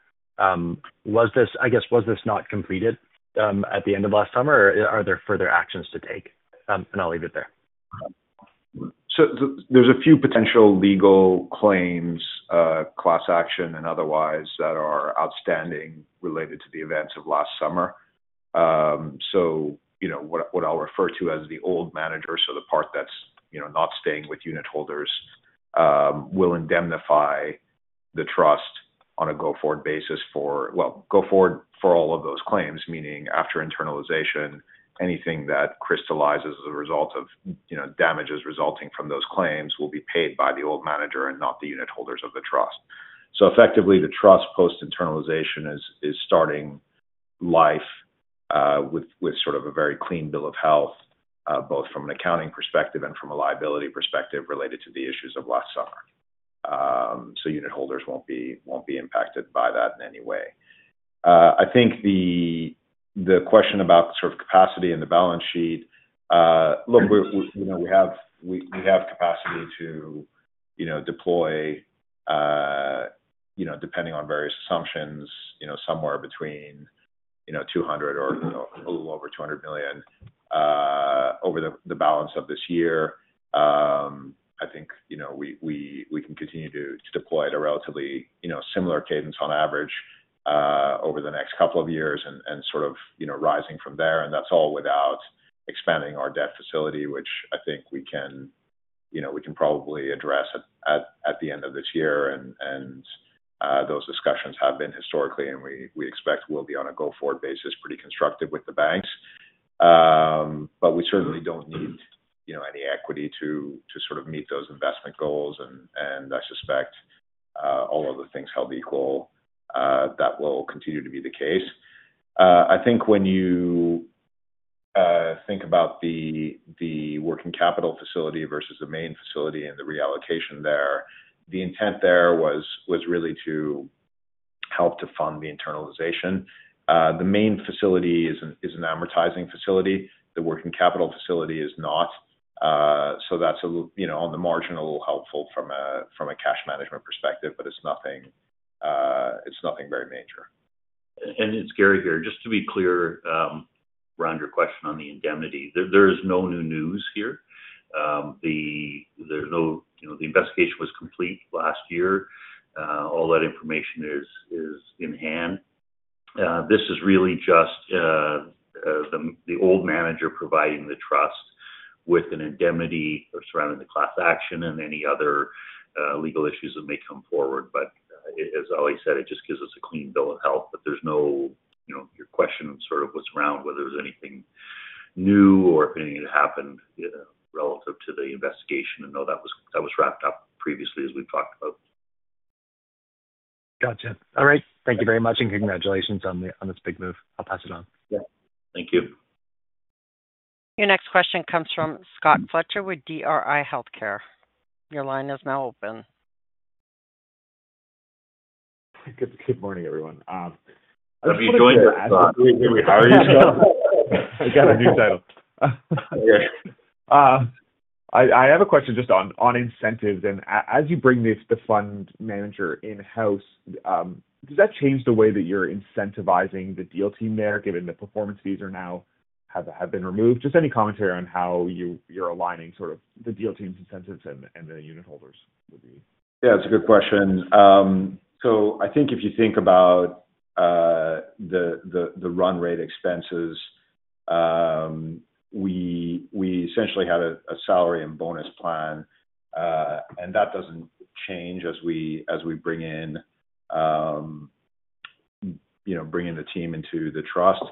Was this not completed at the end of last summer? Are there further actions to take? I'll leave it there. There's a few potential legal claims, class action and otherwise, that are outstanding related to the events of last summer. What I'll refer to as the old manager, so the part that's not staying with unit holders, will indemnify the trust on a go-forward basis for, well, go-forward for all of those claims, meaning after internalization, anything that crystallizes as a result of damages resulting from those claims will be paid by the old manager and not the unit holders of the trust. Effectively, the trust post-internalization is starting life with sort of a very clean bill of health, both from an accounting perspective and from a liability perspective related to the issues of last summer. Unit holders won't be impacted by that in any way. I think the question about sort of capacity in the balance sheet, look, we have capacity to deploy, depending on various assumptions, somewhere between $200 million or a little over $200 million over the balance of this year. I think we can continue to deploy at a relatively similar cadence on average over the next couple of years and sort of rising from there. That is all without expanding our debt facility, which I think we can probably address at the end of this year. Those discussions have been historically, and we expect will be on a go-forward basis, pretty constructive with the banks. We certainly do not need any equity to sort of meet those investment goals. I suspect all other things held equal that will continue to be the case. I think when you think about the working capital facility versus the main facility and the reallocation there, the intent there was really to help to fund the internalization. The main facility is an amortizing facility. The working capital facility is not. That is on the marginal, helpful from a cash management perspective, but it is nothing very major. It's Gary here. Just to be clear around your question on the indemnity, there is no new news here. The investigation was complete last year. All that information is in hand. This is really just the old manager providing the trust with an indemnity surrounding the class action and any other legal issues that may come forward. As Ali said, it just gives us a clean bill of health. There's no question of sort of what's around, whether there's anything new or if anything had happened relative to the investigation. No, that was wrapped up previously as we've talked about. Gotcha. All right. Thank you very much. Congratulations on this big move. I'll pass it on. Yeah. Thank you. Your next question comes from Scott Fletcher with DRI Healthcare Trust. Your line is now open. Good morning, everyone. I just joined to ask a great deal about yourself. I got a new title. I have a question just on incentives. As you bring the fund manager in-house, does that change the way that you're incentivizing the deal team there, given the performance fees now have been removed? Just any commentary on how you're aligning sort of the deal team's incentives and the unit holders would be? Yeah. That's a good question. I think if you think about the run rate expenses, we essentially had a salary and bonus plan. That doesn't change as we bring in the team into the trust.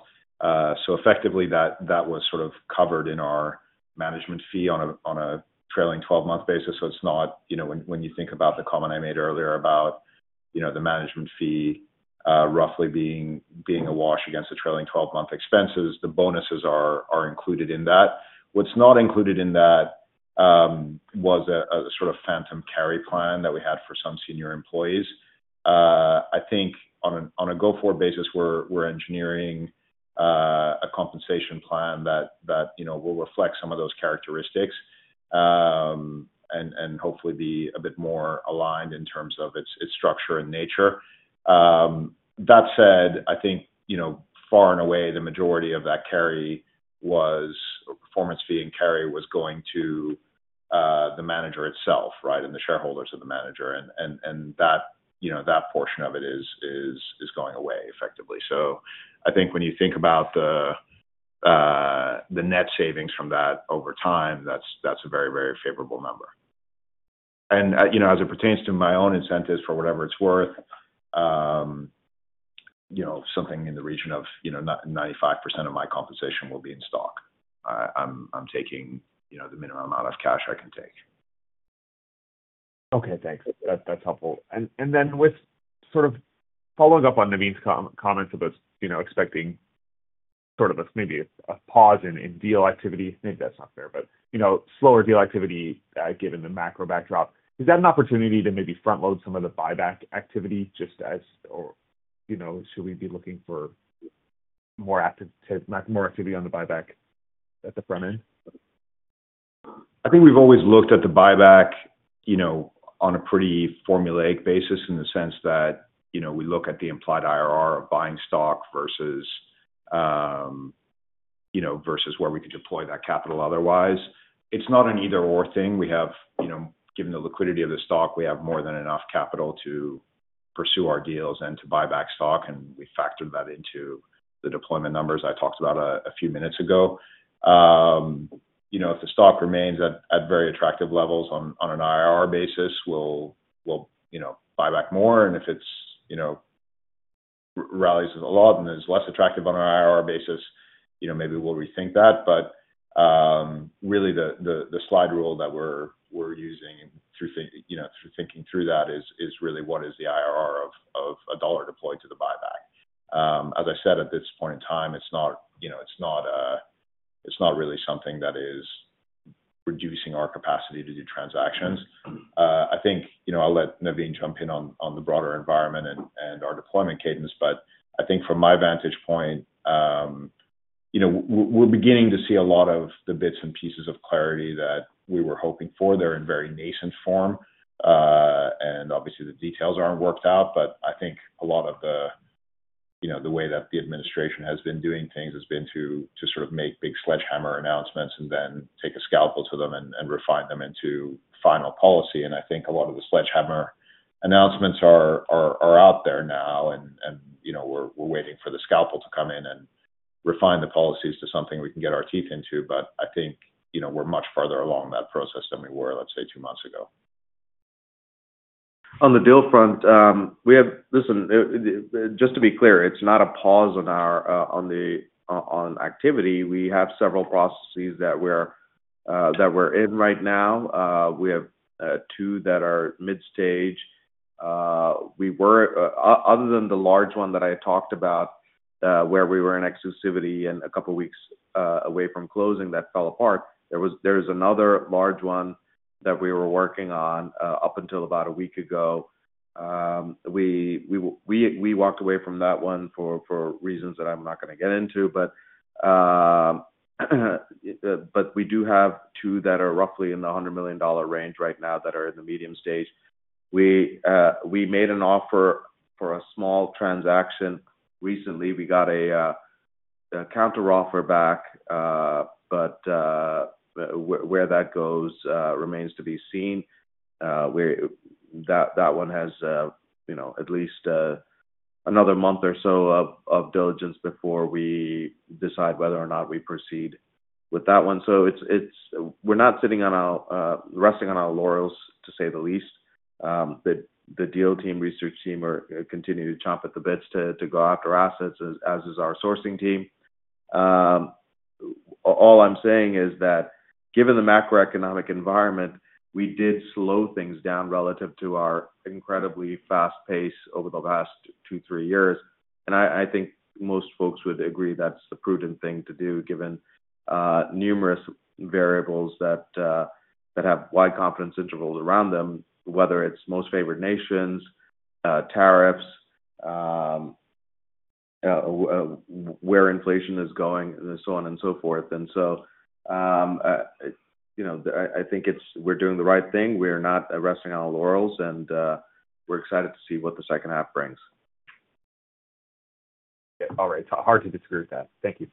Effectively, that was sort of covered in our management fee on a trailing 12-month basis. It's not, when you think about the comment I made earlier about the management fee roughly being a wash against the trailing 12-month expenses, the bonuses are included in that. What's not included in that was a sort of phantom carry plan that we had for some senior employees. I think on a go-forward basis, we're engineering a compensation plan that will reflect some of those characteristics and hopefully be a bit more aligned in terms of its structure and nature. That said, I think far and away, the majority of that carry was performance fee and carry was going to the manager itself, right, and the shareholders of the manager. That portion of it is going away effectively. I think when you think about the net savings from that over time, that is a very, very favorable number. As it pertains to my own incentives for whatever it is worth, something in the region of 95% of my compensation will be in stock. I am taking the minimum amount of cash I can take. Okay. Thanks. That's helpful. And then with sort of following up on Navin's comments about expecting sort of maybe a pause in deal activity, maybe that's not fair, but slower deal activity given the macro backdrop, is that an opportunity to maybe front-load some of the buyback activity just as, or should we be looking for more activity on the buyback at the front end? I think we've always looked at the buyback on a pretty formulaic basis in the sense that we look at the implied IRR of buying stock versus where we could deploy that capital otherwise. It's not an either/or thing. Given the liquidity of the stock, we have more than enough capital to pursue our deals and to buy back stock. We factored that into the deployment numbers I talked about a few minutes ago. If the stock remains at very attractive levels on an IRR basis, we'll buy back more. If it rallies a lot and is less attractive on an IRR basis, maybe we'll rethink that. Really, the slide rule that we're using through thinking through that is really, what is the IRR of a dollar deployed to the buyback? As I said, at this point in time, it's not really something that is reducing our capacity to do transactions. I think I'll let Navin jump in on the broader environment and our deployment cadence. I think from my vantage point, we're beginning to see a lot of the bits and pieces of clarity that we were hoping for. They're in very nascent form. Obviously, the details aren't worked out. I think a lot of the way that the administration has been doing things has been to sort of make big sledgehammer announcements and then take a scalpel to them and refine them into final policy. I think a lot of the sledgehammer announcements are out there now. We're waiting for the scalpel to come in and refine the policies to something we can get our teeth into. I think we're much further along that process than we were, let's say, two months ago. On the deal front, we have, listen, just to be clear, it's not a pause on the activity. We have several processes that we're in right now. We have two that are mid-stage. Other than the large one that I talked about where we were in exclusivity and a couple of weeks away from closing that fell apart, there is another large one that we were working on up until about a week ago. We walked away from that one for reasons that I'm not going to get into. We do have two that are roughly in the $100 million range right now that are in the medium stage. We made an offer for a small transaction recently. We got a counter offer back. Where that goes remains to be seen. That one has at least another month or so of diligence before we decide whether or not we proceed with that one. We are not sitting on our resting on our laurels, to say the least. The deal team, research team are continuing to chomp at the bit to go after assets, as is our sourcing team. All I am saying is that given the macroeconomic environment, we did slow things down relative to our incredibly fast pace over the last two, three years. I think most folks would agree that is the prudent thing to do, given numerous variables that have wide confidence intervals around them, whether it is most favored nations, tariffs, where inflation is going, and so on and so forth. I think we are doing the right thing. We are not resting on our laurels. We are excited to see what the second half brings. All right. Hard to disagree with that. Thank you.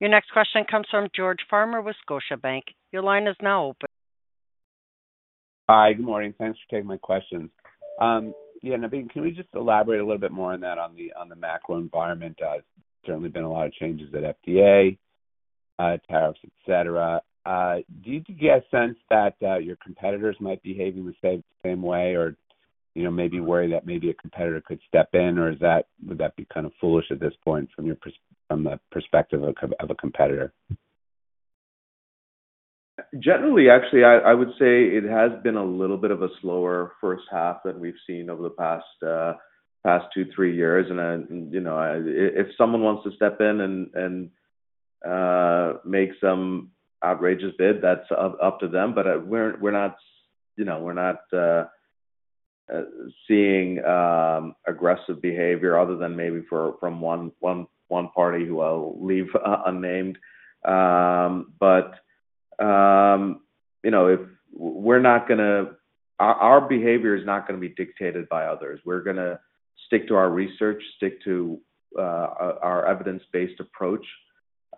Your next question comes from George Farmer with Scotiabank. Your line is now open. Hi. Good morning. Thanks for taking my questions. Yeah. Navin, can we just elaborate a little bit more on that on the macro environment? There's certainly been a lot of changes at FDA, tariffs, etc. Do you get a sense that your competitors might be behaving the same way or maybe worry that maybe a competitor could step in? Would that be kind of foolish at this point from the perspective of a competitor? Generally, actually, I would say it has been a little bit of a slower first half than we've seen over the past two, three years. If someone wants to step in and make some outrageous bid, that's up to them. We're not seeing aggressive behavior other than maybe from one party who I'll leave unnamed. Our behavior is not going to be dictated by others. We're going to stick to our research, stick to our evidence-based approach.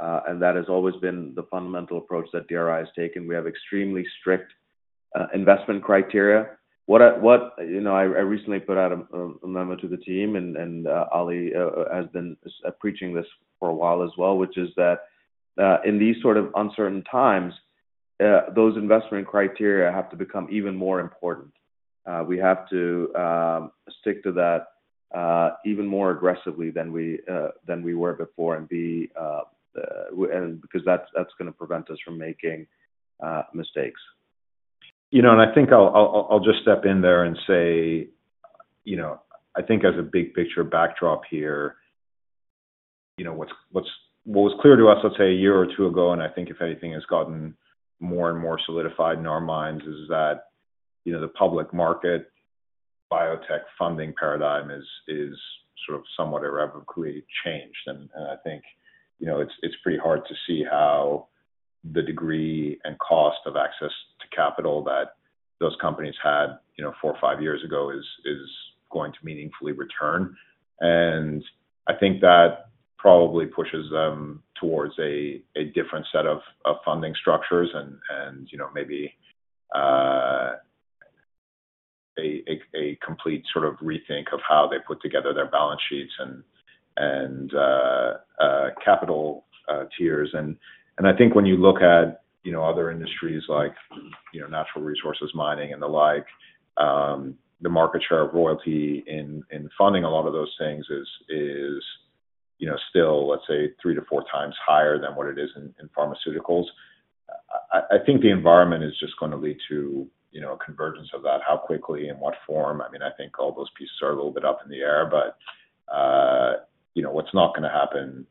That has always been the fundamental approach that DRI has taken. We have extremely strict investment criteria. I recently put out a memo to the team, and Ali has been preaching this for a while as well, which is that in these sort of uncertain times, those investment criteria have to become even more important. We have to stick to that even more aggressively than we were before and be because that's going to prevent us from making mistakes. I think I'll just step in there and say, I think as a big picture backdrop here, what was clear to us, let's say, a year or two ago, and I think if anything has gotten more and more solidified in our minds, is that the public market biotech funding paradigm is sort of somewhat irrevocably changed. I think it's pretty hard to see how the degree and cost of access to capital that those companies had four or five years ago is going to meaningfully return. I think that probably pushes them towards a different set of funding structures and maybe a complete sort of rethink of how they put together their balance sheets and capital tiers. I think when you look at other industries like natural resources, mining and the like, the market share of royalty in funding a lot of those things is still, let's say, three to four times higher than what it is in pharmaceuticals. I think the environment is just going to lead to a convergence of that. How quickly and what form? I mean, I think all those pieces are a little bit up in the air. What's not going to happen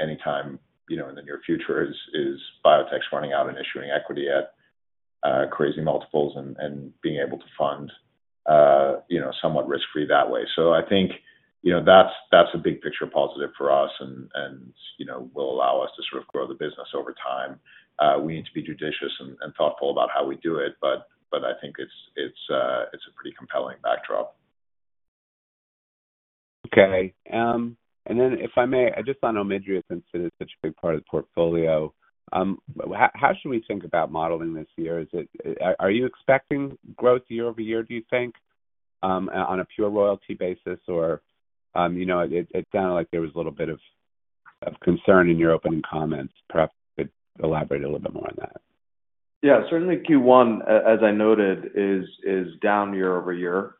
anytime in the near future is biotechs running out and issuing equity at crazy multiples and being able to fund somewhat risk-free that way. I think that's a big picture positive for us and will allow us to sort of grow the business over time. We need to be judicious and thoughtful about how we do it. I think it's a pretty compelling backdrop. Okay. If I may, I just thought Omidria had considered such a big part of the portfolio. How should we think about modeling this year? Are you expecting growth year over year, do you think, on a pure royalty basis? It sounded like there was a little bit of concern in your opening comments. Perhaps you could elaborate a little bit more on that. Yeah. Certainly, Q1, as I noted, is down year over year.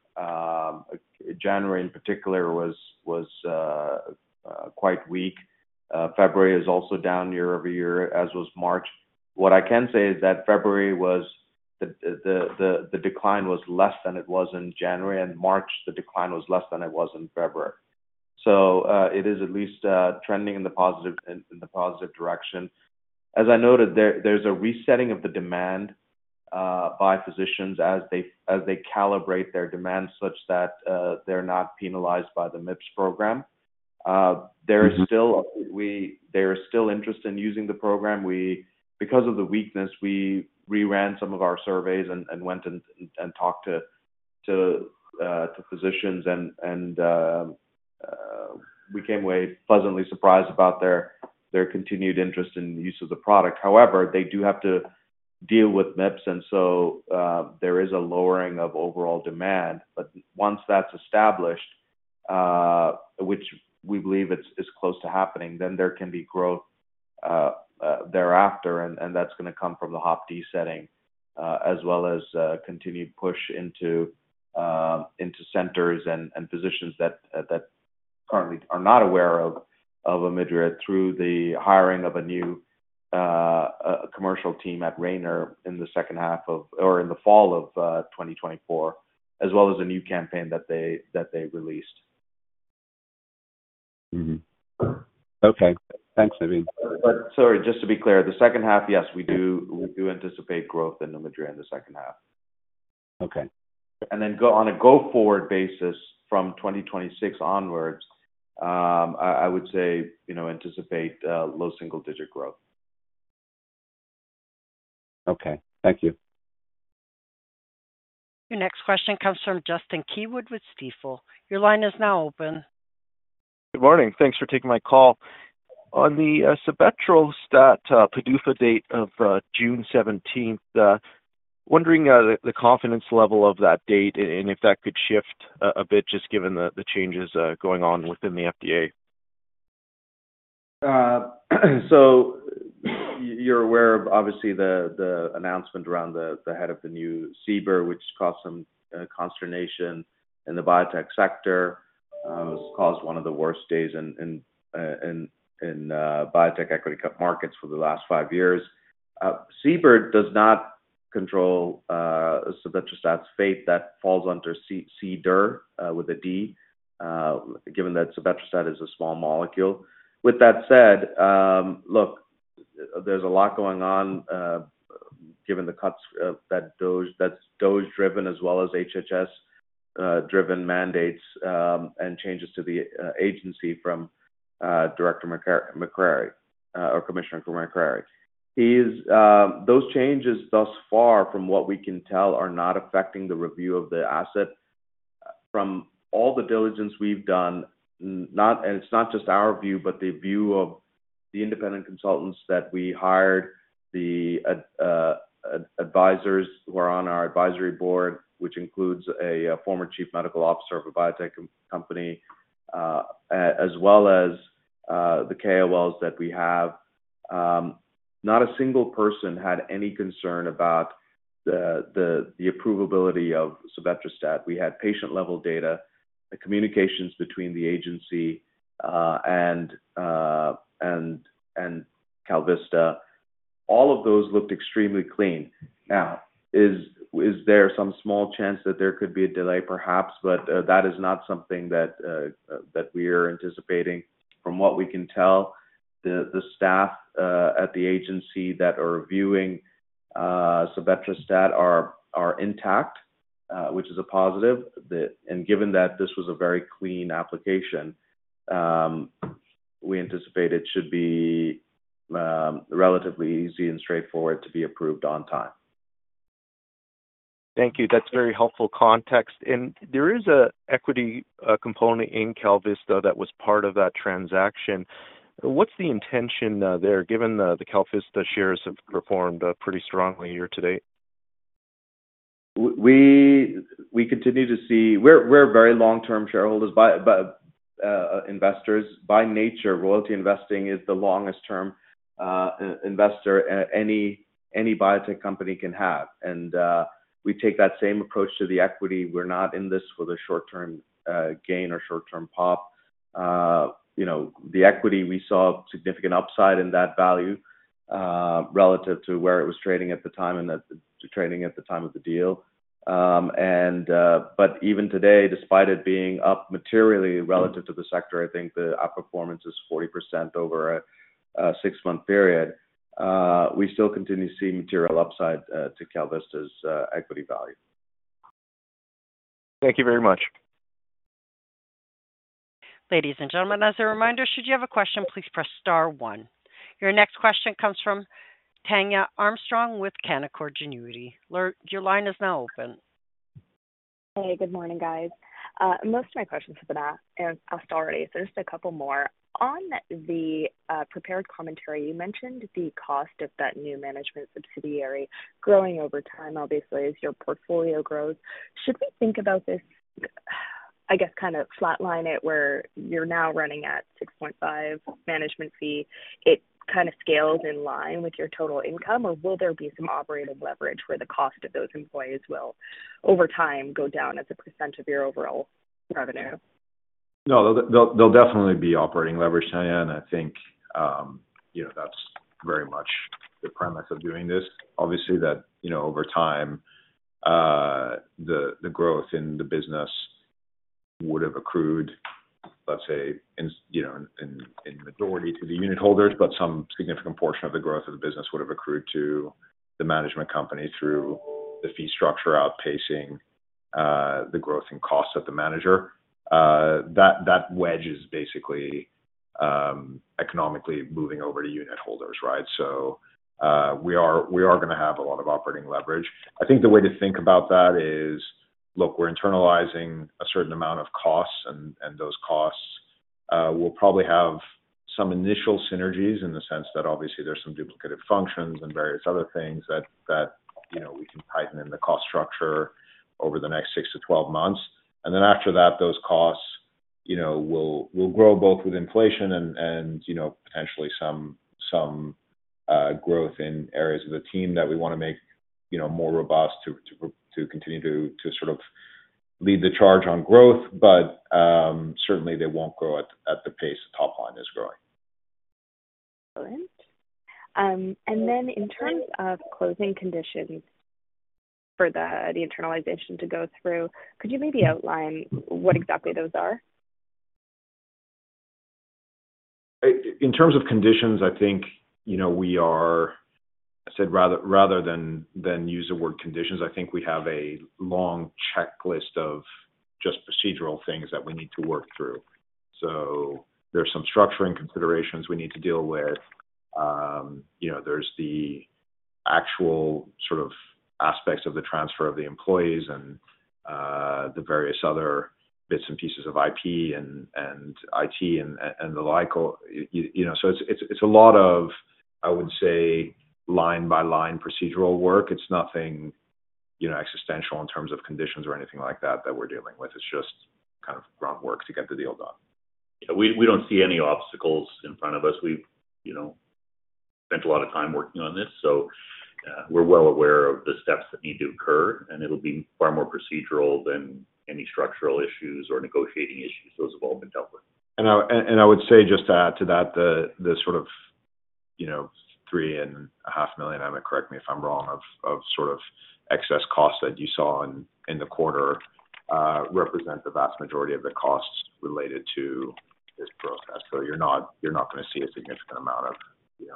January, in particular, was quite weak. February is also down year over year, as was March. What I can say is that February, the decline was less than it was in January. March, the decline was less than it was in February. It is at least trending in the positive direction. As I noted, there is a resetting of the demand by physicians as they calibrate their demand such that they are not penalized by the MIPS program. There is still interest in using the program. Because of the weakness, we re-ran some of our surveys and went and talked to physicians. We came away pleasantly surprised about their continued interest in the use of the product. However, they do have to deal with MIPS. There is a lowering of overall demand. Once that's established, which we believe is close to happening, there can be growth thereafter. That's going to come from the HOPD setting as well as continued push into centers and physicians that currently are not aware of Omidria through the hiring of a new commercial team at Rainer in the second half of or in the fall of 2024, as well as a new campaign that they released. Okay. Thanks, Navin. Sorry. Just to be clear, the second half, yes, we do anticipate growth in Omidria in the second half. Okay. On a go-forward basis from 2026 onwards, I would say anticipate low single-digit growth. Okay. Thank you. Your next question comes from Justin Keywood with Stifel. Your line is now open. Good morning. Thanks for taking my call. On the Sebetralstat, PDUFA date of June 17th, wondering the confidence level of that date and if that could shift a bit just given the changes going on within the FDA. You're aware of, obviously, the announcement around the head of the new CBER, which caused some consternation in the biotech sector. It's caused one of the worst days in biotech equity markets for the last five years. CBER does not control Sebetralstat's fate. That falls under CDER, given that Sebetralstat is a small molecule. With that said, look, there's a lot going on given the cuts that are DOJ-driven as well as HHS-driven mandates and changes to the agency from Director McCrary or Commissioner McCrary. Those changes, thus far, from what we can tell, are not affecting the review of the asset. From all the diligence we've done, and it's not just our view, but the view of the independent consultants that we hired, the advisors who are on our advisory board, which includes a former Chief Medical Officer of a biotech company, as well as the KOLs that we have, not a single person had any concern about the approval ability of Sebetralstat. We had patient-level data, the communications between the agency and KalVista. All of those looked extremely clean. Now, is there some small chance that there could be a delay, perhaps? That is not something that we are anticipating. From what we can tell, the staff at the agency that are reviewing Sebetralstat are intact, which is a positive. Given that this was a very clean application, we anticipate it should be relatively easy and straightforward to be approved on time. Thank you. That's very helpful context. There is an equity component in KalVista, that was part of that transaction. What's the intention there, given the KalVista shares have performed pretty strongly year to date? We continue to see we're very long-term shareholders, but investors. By nature, royalty investing is the longest-term investor any biotech company can have. And we take that same approach to the equity. We're not in this for the short-term gain or short-term pop. The equity, we saw significant upside in that value relative to where it was trading at the time and the trading at the time of the deal. Even today, despite it being up materially relative to the sector, I think the outperformance is 40% over a six-month period. We still continue to see material upside to KalVista's equity value. Thank you very much. Ladies and gentlemen, as a reminder, should you have a question, please press star one. Your next question comes from Tania Armstrong with Canaccord Genuity. Your line is now open. Hey. Good morning, guys. Most of my questions have been asked already, so just a couple more. On the prepared commentary, you mentioned the cost of that new management subsidiary growing over time, obviously, as your portfolio grows. Should we think about this, I guess, kind of flatline it where you're now running at 6.5% management fee, it kind of scales in line with your total income? Or will there be some operating leverage where the cost of those employees will, over time, go down as a percent of your overall revenue? No, there'll definitely be operating leverage, Tanya. I think that's very much the premise of doing this. Obviously, over time, the growth in the business would have accrued, let's say, in majority to the unit holders, but some significant portion of the growth of the business would have accrued to the management company through the fee structure outpacing the growth in costs at the manager. That wedge is basically economically moving over to unit holders, right? We are going to have a lot of operating leverage. I think the way to think about that is, look, we're internalizing a certain amount of costs. Those costs will probably have some initial synergies in the sense that, obviously, there's some duplicative functions and various other things that we can tighten in the cost structure over the next 6-12 months. After that, those costs will grow both with inflation and potentially some growth in areas of the team that we want to make more robust to continue to sort of lead the charge on growth. Certainly, they will not grow at the pace the top line is growing. Excellent. In terms of closing conditions for the internalization to go through, could you maybe outline what exactly those are? In terms of conditions, I think we are, I said, rather than use the word conditions, I think we have a long checklist of just procedural things that we need to work through. There are some structuring considerations we need to deal with. There are the actual sort of aspects of the transfer of the employees and the various other bits and pieces of IP and IT and the like. It is a lot of, I would say, line-by-line procedural work. It is nothing existential in terms of conditions or anything like that that we are dealing with. It is just kind of grunt work to get the deal done. We do not see any obstacles in front of us. We have spent a lot of time working on this. We are well aware of the steps that need to occur. It will be far more procedural than any structural issues or negotiating issues. Those have all been dealt with. I would say just to add to that, the sort of $3.5 million, and correct me if I'm wrong, of sort of excess costs that you saw in the quarter represent the vast majority of the costs related to this process. You are not going to see a significant amount of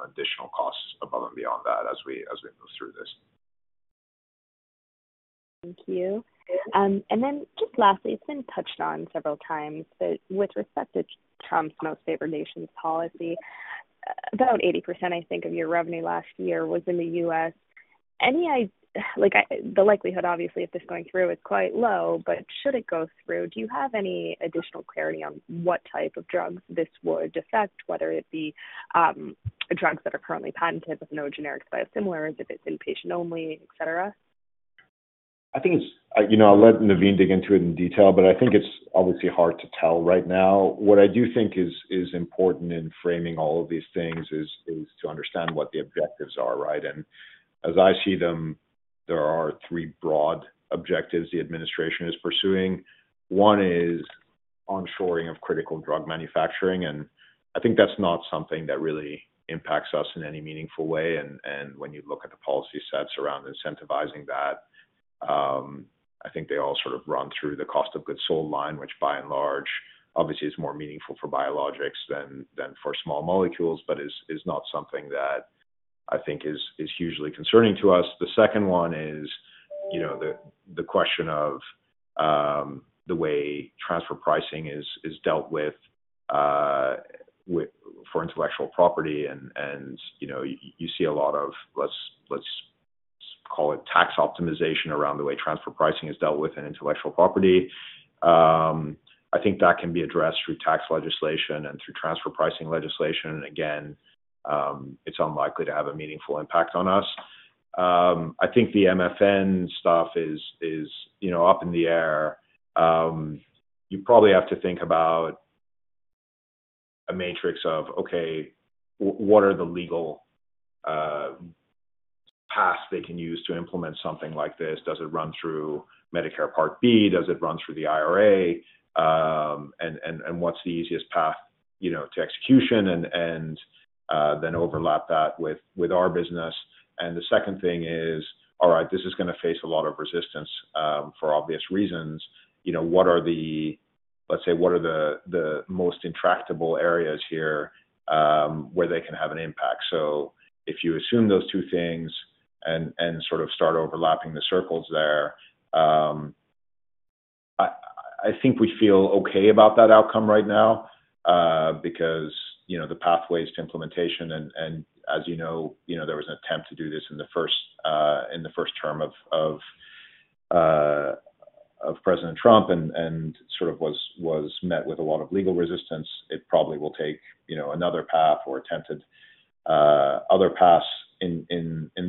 additional costs above and beyond that as we move through this. Thank you. And then just lastly, it's been touched on several times, but with respect to Trump's most favored nations policy, about 80% of your revenue last year was in the U.S. The likelihood, obviously, of this going through is quite low. But should it go through, do you have any additional clarity on what type of drugs this would affect, whether it be drugs that are currently patented with no generic biosimilars, if it's inpatient only, etc.? I think I'll let Navin dig into it in detail, but I think it's obviously hard to tell right now. What I do think is important in framing all of these things is to understand what the objectives are, right? As I see them, there are three broad objectives the administration is pursuing. One is onshoring of critical drug manufacturing. I think that's not something that really impacts us in any meaningful way. When you look at the policy sets around incentivizing that, I think they all sort of run through the cost of goods sold line, which, by and large, obviously is more meaningful for biologics than for small molecules, but is not something that I think is hugely concerning to us. The second one is the question of the way transfer pricing is dealt with for intellectual property. You see a lot of, let's call it, tax optimization around the way transfer pricing is dealt with in intellectual property. I think that can be addressed through tax legislation and through transfer pricing legislation. Again, it's unlikely to have a meaningful impact on us. I think the MFN stuff is up in the air. You probably have to think about a matrix of, okay, what are the legal paths they can use to implement something like this? Does it run through Medicare Part B? Does it run through the IRA? What's the easiest path to execution? Then overlap that with our business. The second thing is, all right, this is going to face a lot of resistance for obvious reasons. What are the, let's say, what are the most intractable areas here where they can have an impact? If you assume those two things and sort of start overlapping the circles there, I think we feel okay about that outcome right now because the pathways to implementation, and as you know, there was an attempt to do this in the first term of President Trump and sort of was met with a lot of legal resistance. It probably will take another path or attempted other paths in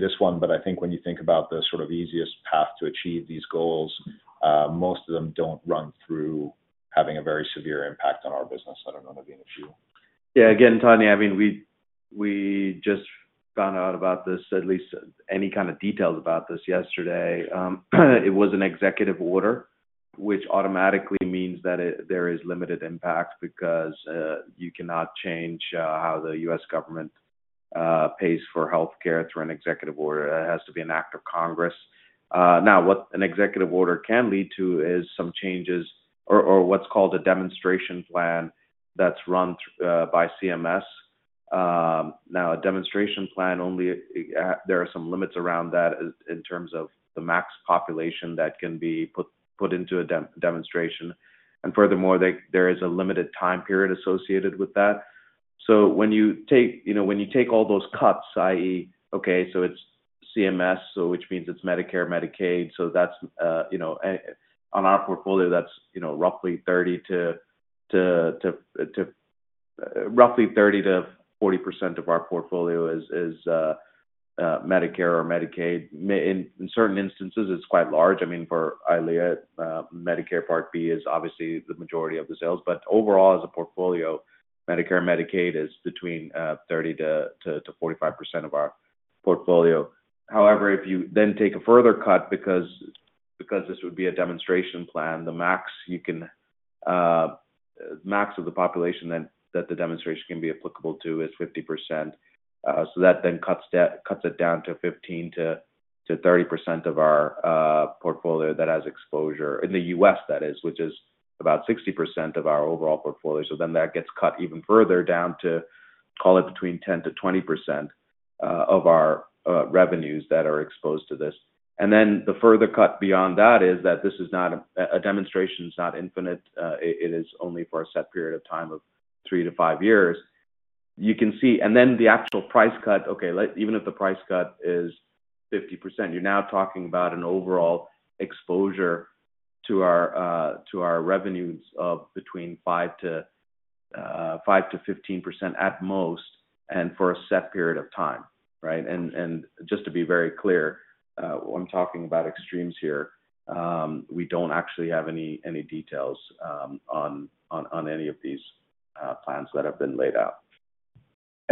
this one. I think when you think about the sort of easiest path to achieve these goals, most of them do not run through having a very severe impact on our business. I do not know, Navin, if you. Yeah. Again, Tanya, I mean, we just found out about this, at least any kind of details about this yesterday. It was an executive order, which automatically means that there is limited impact because you cannot change how the U.S. government pays for healthcare through an executive order. It has to be an act of Congress. Now, what an executive order can lead to is some changes or what's called a demonstration plan that's run by CMS. Now, a demonstration plan, only there are some limits around that in terms of the max population that can be put into a demonstration. Furthermore, there is a limited time period associated with that. When you take all those cuts, i.e., okay, so it's CMS, which means it's Medicare, Medicaid. That's on our portfolio, that's roughly 30-40% of our portfolio is Medicare or Medicaid. In certain instances, it's quite large. I mean, for Eylea, Medicare Part B is obviously the majority of the sales. Overall, as a portfolio, Medicare and Medicaid is between 30-45% of our portfolio. However, if you then take a further cut because this would be a demonstration plan, the max of the population that the demonstration can be applicable to is 50%. That then cuts it down to 15-30% of our portfolio that has exposure in the U.S., that is, which is about 60% of our overall portfolio. That gets cut even further down to, call it, between 10-20% of our revenues that are exposed to this. The further cut beyond that is that this is not a demonstration. It's not infinite. It is only for a set period of time of three to five years. You can see. Then the actual price cut, okay, even if the price cut is 50%, you're now talking about an overall exposure to our revenues of between 5%-15% at most and for a set period of time, right? Just to be very clear, I'm talking about extremes here. We do not actually have any details on any of these plans that have been laid out.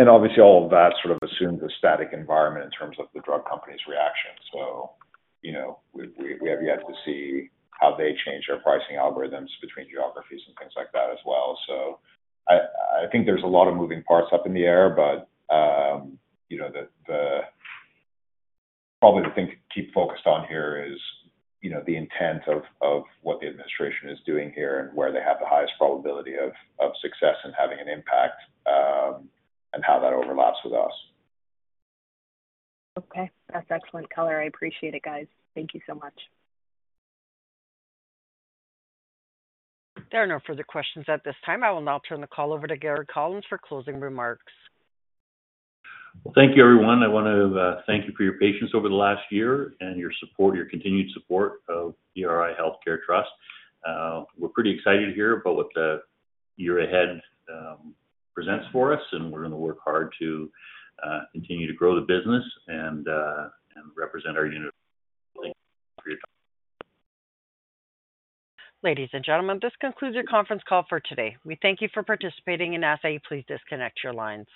Obviously, all of that sort of assumes a static environment in terms of the drug company's reaction. We have yet to see how they change their pricing algorithms between geographies and things like that as well. I think there is a lot of moving parts up in the air. Probably the thing to keep focused on here is the intent of what the administration is doing here and where they have the highest probability of success in having an impact and how that overlaps with us. Okay. That's excellent color. I appreciate it, guys. Thank you so much. There are no further questions at this time. I will now turn the call over to Gary Collins for closing remarks. Thank you, everyone. I want to thank you for your patience over the last year and your support, your continued support of DRI Healthcare Trust. We're pretty excited here about what the year ahead presents for us. We're going to work hard to continue to grow the business and represent our unit. Thank you for your time. Ladies and gentlemen, this concludes your conference call for today. We thank you for participating in DRI Healthcare Trust. Please disconnect your lines.